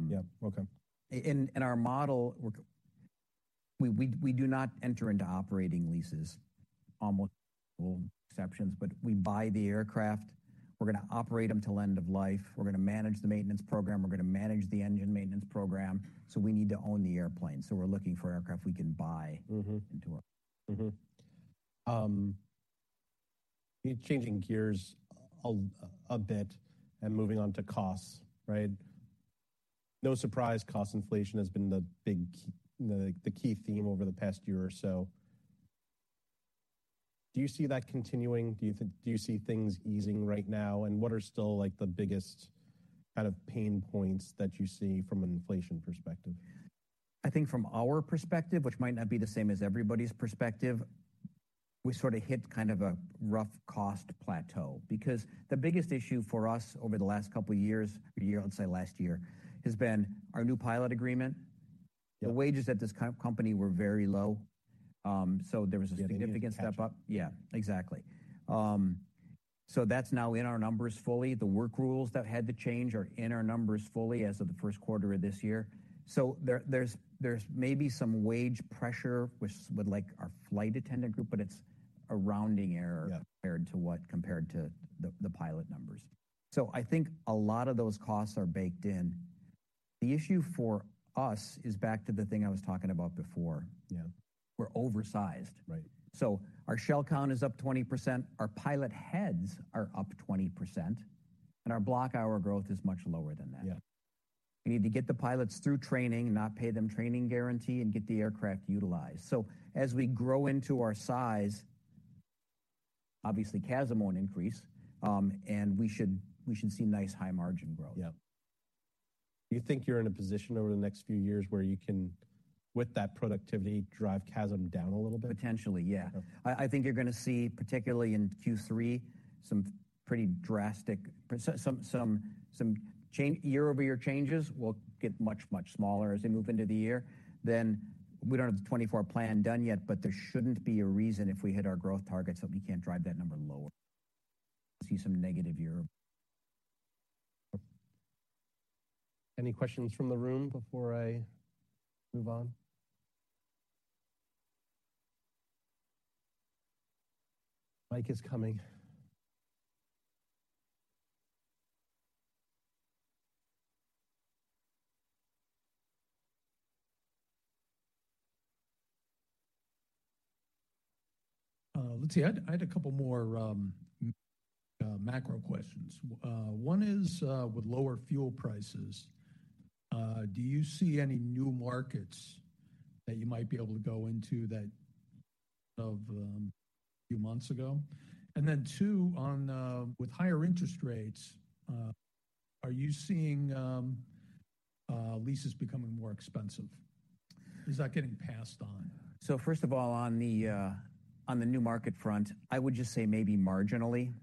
Yep. Okay. In our model, we do not enter into operating leases on what exceptions, but we buy the aircraft. We're going to operate them till end of life. We're going to manage the maintenance program. We're going to manage the engine maintenance program, so we need to own the airplane. We're looking for aircraft we can buy. Mm-hmm. Into our. Mm-hmm. Changing gears a bit and moving on to costs, right? No surprise, cost inflation has been the key theme over the past year or so. Do you see that continuing? Do you see things easing right now? What are still, like, the biggest kind of pain points that you see from an inflation perspective? I think from our perspective, which might not be the same as everybody's perspective, we sort of hit kind of a rough cost plateau. The biggest issue for us over the last couple of years, a year, let's say last year, has been our new pilot agreement. Yeah. The wages at this company were very low. There was a significant catch-up. Yeah, exactly. That's now in our numbers fully. The work rules that had to change are in our numbers fully as of the first quarter of this year. There, there's maybe some wage pressure which would like our flight attendant group, but it's a rounding error. Yeah Compared to what? Compared to the pilot numbers. I think a lot of those costs are baked in. The issue for us is back to the thing I was talking about before. Yeah. We're oversized. Right. Our shell count is up 20%, our pilot heads are up 20%, and our block hour growth is much lower than that. Yeah. We need to get the pilots through training and not pay them training guarantee and get the aircraft utilized. As we grow into our size, obviously CASM won't increase. We should see nice high margin growth. Yeah. Do you think you're in a position over the next few years where you can, with that productivity, drive CASM down a little bit? Potentially, yeah. I think you're going to see, particularly in Q3, some pretty drastic change year-over-year changes will get much, much smaller as we move into the year. We don't have the 2024 plan done yet, but there shouldn't be a reason if we hit our growth targets, that we can't drive that number lower. See some negative year over. Any questions from the room before I move on? Mike is coming. Let's see. I had a couple more macro questions. One is, with lower fuel prices, do you see any new markets that you might be able to go into that of a few months ago? Then two, on, with higher interest rates, are you seeing leases becoming more expensive? Is that getting passed on? First of all, on the new market front, I would just say maybe marginally.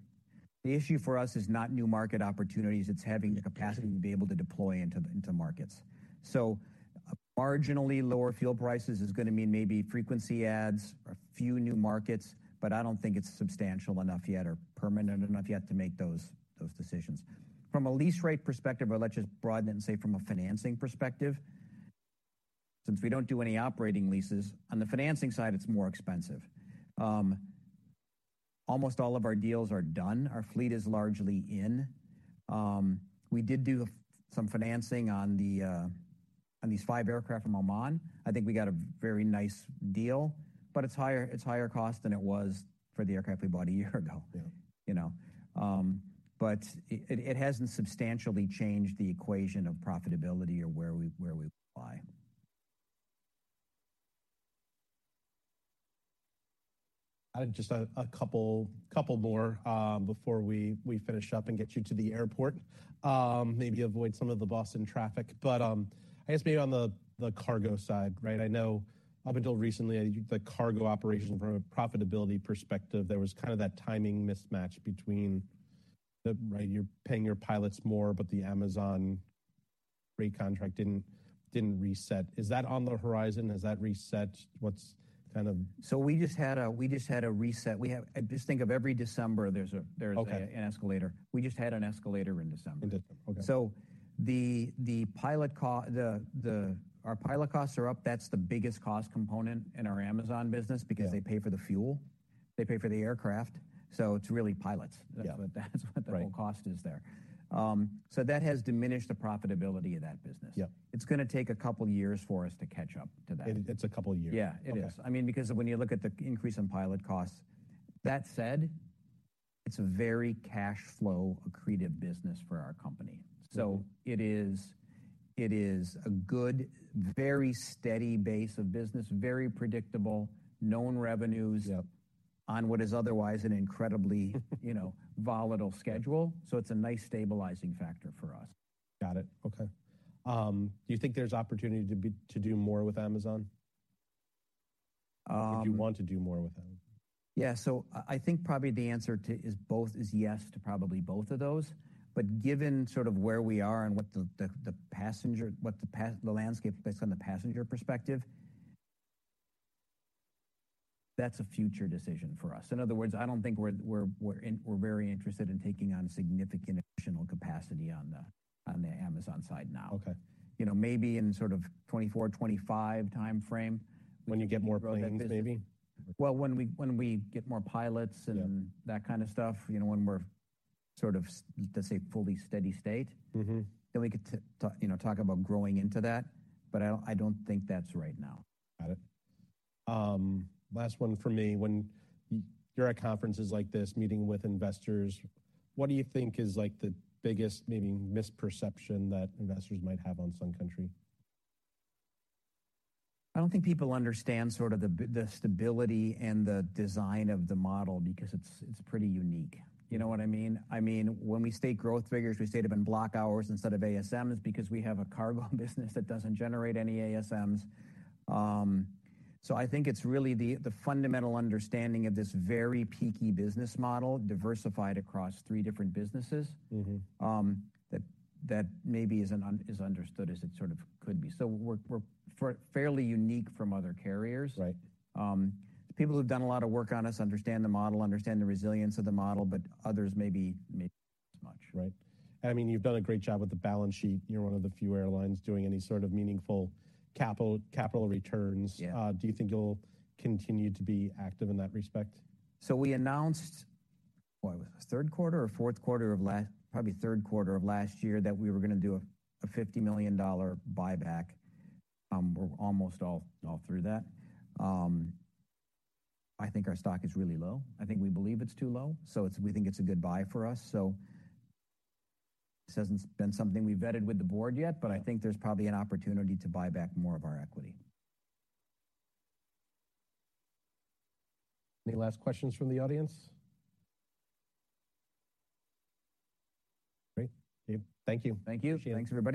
The issue for us is not new market opportunities, it's having the capacity to be able to deploy into markets. Marginally lower fuel prices is going to mean maybe frequency ads or a few new markets, but I don't think it's substantial enough yet or permanent enough yet to make those decisions. From a lease rate perspective or let's just broaden it and say from a financing perspective, since we don't do any operating leases. On the financing side, it's more expensive. Almost all of our deals are done. Our fleet is largely in. We did do some financing on these five aircraft from Oman. I think we got a very nice deal, but it's higher cost than it was for the aircraft we bought a year ago. Yeah. You know. It hasn't substantially changed the equation of profitability or where we buy. I have just a couple more before we finish up and get you to the airport. Maybe avoid some of the Boston traffic. I guess maybe on the cargo side, right? I know up until recently, I think the cargo operation from a profitability perspective, there was kind of that timing mismatch between the... Right, you're paying your pilots more, but the Amazon rate contract didn't reset. Is that on the horizon? Is that reset? What's kind of We just had a reset. Just think of every December, there's a. Okay. an escalator. We just had an escalator in December. In December. Okay. Our pilot costs are up. That's the biggest cost component in our Amazon business. Yeah Because they pay for the fuel, they pay for the aircraft. It's really pilots. Yeah. That's what the whole cost is there. That has diminished the profitability of that business. Yeah. It's going to take a couple of years for us to catch up to that. It's a couple of years. Yeah, it is. Okay. I mean, because when you look at the increase in pilot costs. That said, it's a very cash flow accretive business for our company. Mm-hmm. It is a good, very steady base of business. Very predictable, known revenues. Yeah On what is otherwise you know, volatile schedule. It's a nice stabilizing factor for us. Got it. Okay. Do you think there's opportunity to do more with Amazon? Would you want to do more with Amazon? I think probably the answer to is yes to probably both of those. Given sort of where we are and what the passenger landscape based on the passenger perspective, that's a future decision for us. In other words, I don't think we're very interested in taking on significant additional capacity on the Amazon side now. Okay. You know, maybe in sort of 2024, 2025 timeframe. When you get more planes maybe? Well, when we get more pilots. Yeah That kind of stuff, you know, when we're sort of let's say fully steady state. Mm-hmm. We get to you know, talk about growing into that. I don't think that's right now. Got it. Last one for me. When you're at conferences like this, meeting with investors, what do you think is, like, the biggest maybe misperception that investors might have on Sun Country? I don't think people understand sort of the stability and the design of the model because it's pretty unique. You know what I mean? I mean, when we state growth figures, we state them in block hours instead of ASMs because we have a cargo business that doesn't generate any ASMs. I think it's really the fundamental understanding of this very peaky business model diversified across three different businesses. Mm-hmm That maybe isn't understood as it sort of could be. We're fairly unique from other carriers. Right. People who've done a lot of work on us understand the model, understand the resilience of the model, but others maybe not as much. Right. I mean, you've done a great job with the balance sheet. You're one of the few airlines doing any sort of meaningful capital returns. Yeah. Do you think you'll continue to be active in that respect? We announced, what was it? Third quarter or fourth quarter of probably third quarter of last year, that we were going to do a $50 million buyback. We're almost all through that. I think our stock is really low. I think we believe it's too low, so we think it's a good buy for us. This hasn't been something we've vetted with the board yet, but I think there's probably an opportunity to buy back more of our equity. Any last questions from the audience? Great. Dave, thank you. Thank you. Appreciate it. Thanks everybody.